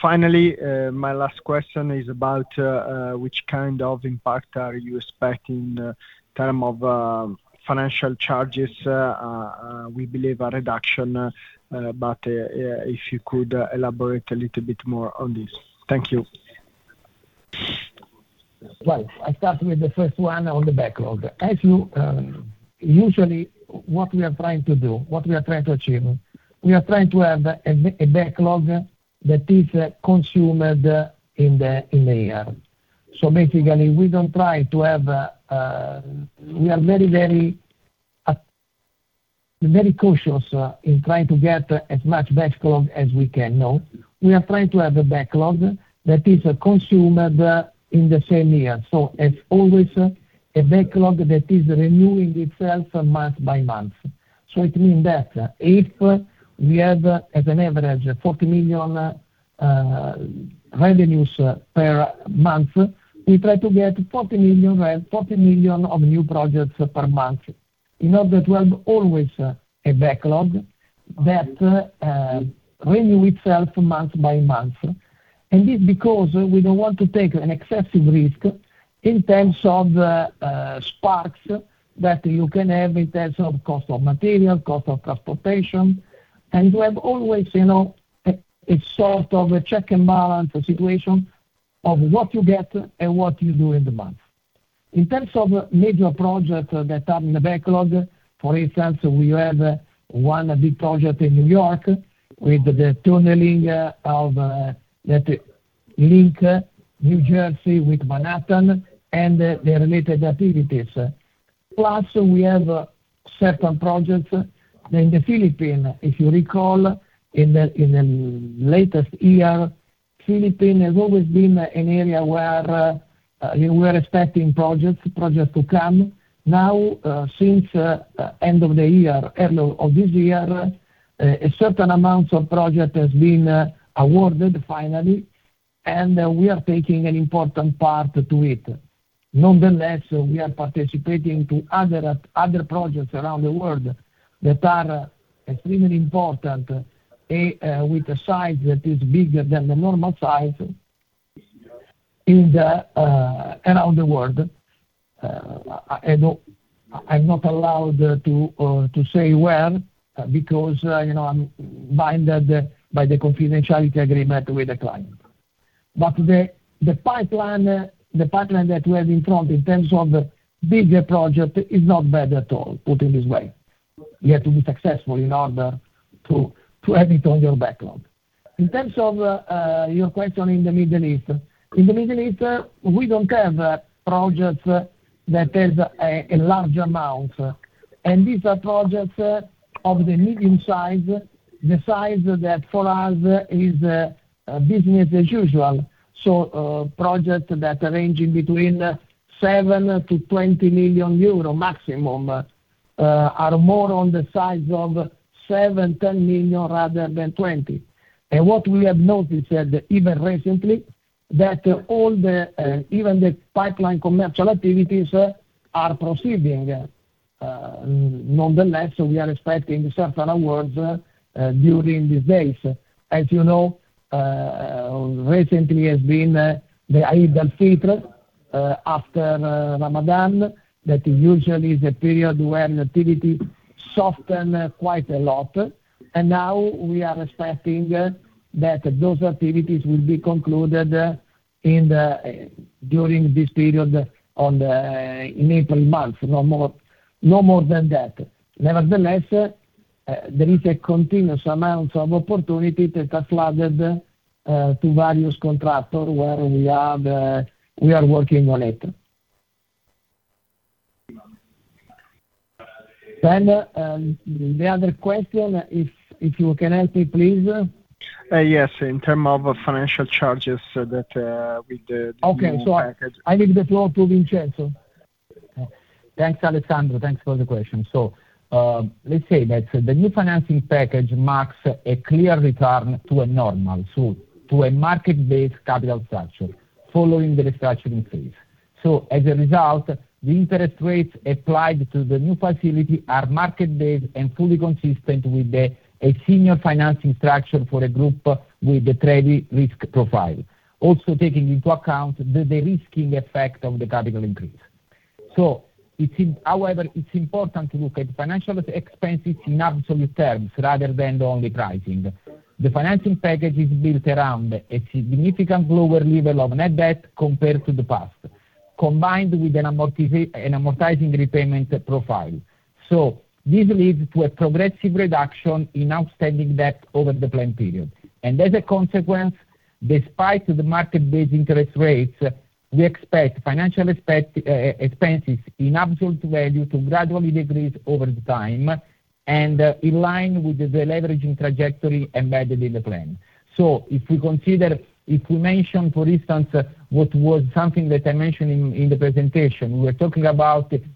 Finally, my last question is about which kind of impact are you expecting in terms of financial charges. We believe a reduction, but if you could elaborate a little bit more on this. Thank you. Right. I start with the first one on the backlog. Usually, what we are trying to achieve is to have a backlog that is consumed in the year. Basically, we don't try to have. We are very cautious in trying to get as much backlog as we can. No. We are trying to have a backlog that is consumed in the same year. It's always a backlog that is renewing itself month by month. It means that if we have an average of 40 million revenues per month, we try to get 40 million, right, 40 million of new projects per month. In order to have always a backlog that renew itself month by month. It's because we don't want to take an excessive risk in terms of spikes that you can have in terms of cost of material, cost of transportation. You have always, you know, a sort of a check and balance situation of what you get and what you do in the month. In terms of major projects that are in the backlog, for instance, we have one big project in New York with the tunneling of that link New Jersey with Manhattan and the related activities. Plus, we have certain projects in the Philippines. If you recall in the latest year, Philippines has always been an area where we were expecting projects to come. Now, since end of this year, a certain amount of project has been awarded finally, and we are taking an important part to it. Nonetheless, we are participating to other projects around the world that are extremely important, with a size that is bigger than the normal size around the world. I'm not allowed to say where because, you know, I'm bound by the confidentiality agreement with the client. But the pipeline that we have in front in terms of bigger project is not bad at all, put it this way. You have to be successful in order to have it on your backlog. In terms of your question in the Middle East. In the Middle East, we don't have projects that has a large amount. These are projects of the medium size, the size that for us is business as usual. Projects that range in between 7 million-20 million euro maximum are more on the size of 7 million, 10 million rather than 20 million. What we have noticed even recently that all the even the pipeline commercial activities are proceeding. Nonetheless, we are expecting certain awards during these days. As you know, recently has been the Eid al-Fitr after Ramadan. That usually is a period when activity soften quite a lot. Now we are expecting that those activities will be concluded during this period in April. No more than that. Nevertheless, there is a continuous amount of opportunities that are flooded to various contractors where we are working on it. The other question, if you can help me, please. Yes. In terms of financial charges that with the new package. Okay. I leave the floor to Vincenzo. Thanks, Alessandro. Thanks for the question. Let's say that the new financing package marks a clear return to a normal, so to a market-based capital structure following the restructuring phase. As a result, the interest rates applied to the new facility are market based and fully consistent with a senior financing structure for a group with a credit risk profile. Also taking into account the de-risking effect of the capital increase. It seems, however, it's important to look at financial expenses in absolute terms rather than only pricing. The financing package is built around a significant lower level of net debt compared to the past, combined with an amortizing repayment profile. This leads to a progressive reduction in outstanding debt over the plan period. As a consequence, despite the market-based interest rates, we expect financial expenses in absolute value to gradually decrease over time and, in line with the leveraging trajectory embedded in the plan. If we consider if we mention, for instance, what was something that I mentioned in the presentation, we're talking about in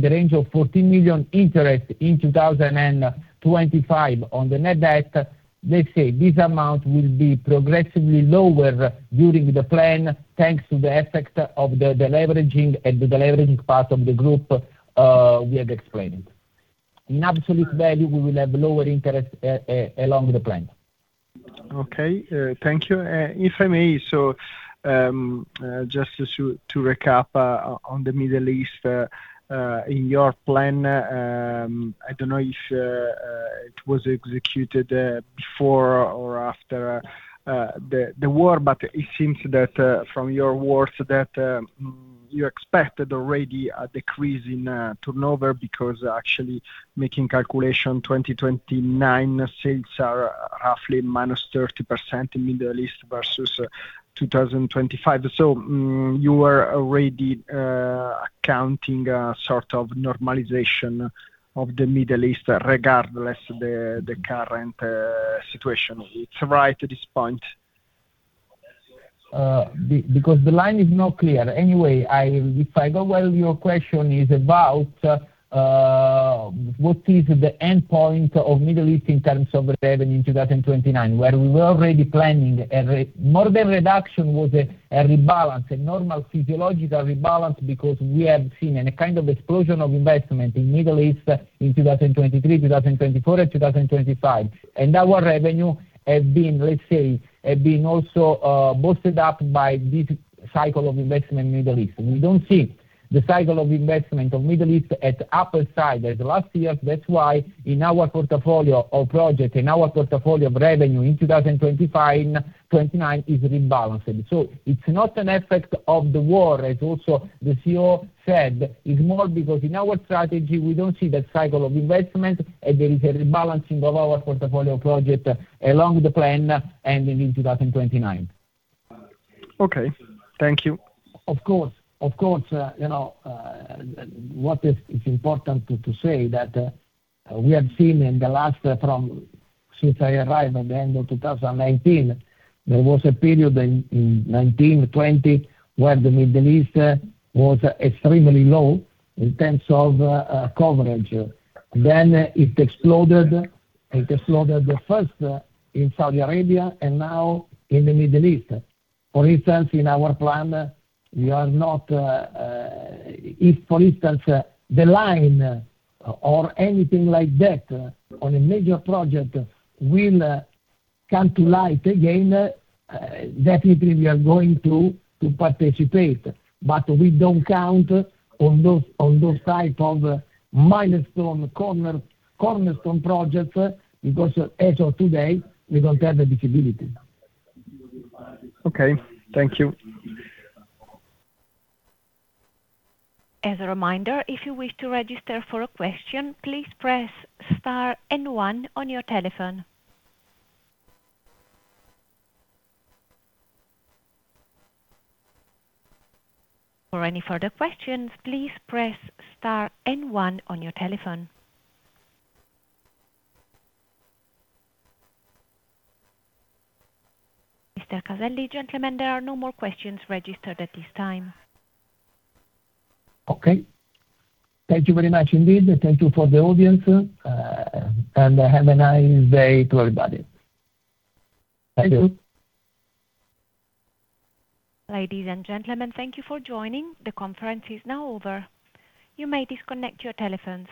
the range of 14 million interest in 2025 on the net debt. Let's say this amount will be progressively lower during the plan, thanks to the effect of the leveraging part of the group we have explained. In absolute value, we will have lower interest along the plan. Okay, thank you. If I may, just to recap, on the Middle East, in your plan, I don't know if it was executed before or after the war, but it seems that from your words that you expected already a decrease in turnover because actually making calculation 2029 sales are roughly minus 30% in Middle East versus 2025. You are already accounting a sort of normalization of the Middle East regardless the current situation. Is it right at this point? Because the line is not clear. Anyway, if I got it well, your question is about what is the endpoint of Middle East in terms of revenue in 2029, where we were already planning a rebalance, more than a reduction, a normal physiological rebalance because we have seen a kind of explosion of investment in Middle East in 2023, 2024 and 2025. Our revenue has been, let's say, also boosted up by this cycle of investment in Middle East. We don't see the cycle of investment of Middle East at upside as last year. That's why in our portfolio of projects, in our portfolio of revenue in 2025-2029 is rebalanced. It's not an effect of the war, as also the CEO said. It's more because in our strategy we don't see that cycle of investment, and there is a rebalancing of our portfolio project along the plan ending in 2029. Okay. Thank you. Of course, you know, what is important to say that we have seen since I arrived at the end of 2019. There was a period in 2020 where the Middle East was extremely low in terms of coverage. Then it exploded first in Saudi Arabia and now in the Middle East. For instance, in our plan, if for instance, The Line or anything like that on a major project will come to light again, definitely we are going to participate. But we don't count on those type of milestone cornerstone projects because as of today, we don't have the visibility. Okay. Thank you. Mr. Caselli, gentlemen, there are no more questions registered at this time. Okay. Thank you very much indeed. Thank you for the audience, and have a nice day to everybody. Thank you. Ladies and gentlemen, thank you for joining. The conference is now over. You may disconnect your telephones.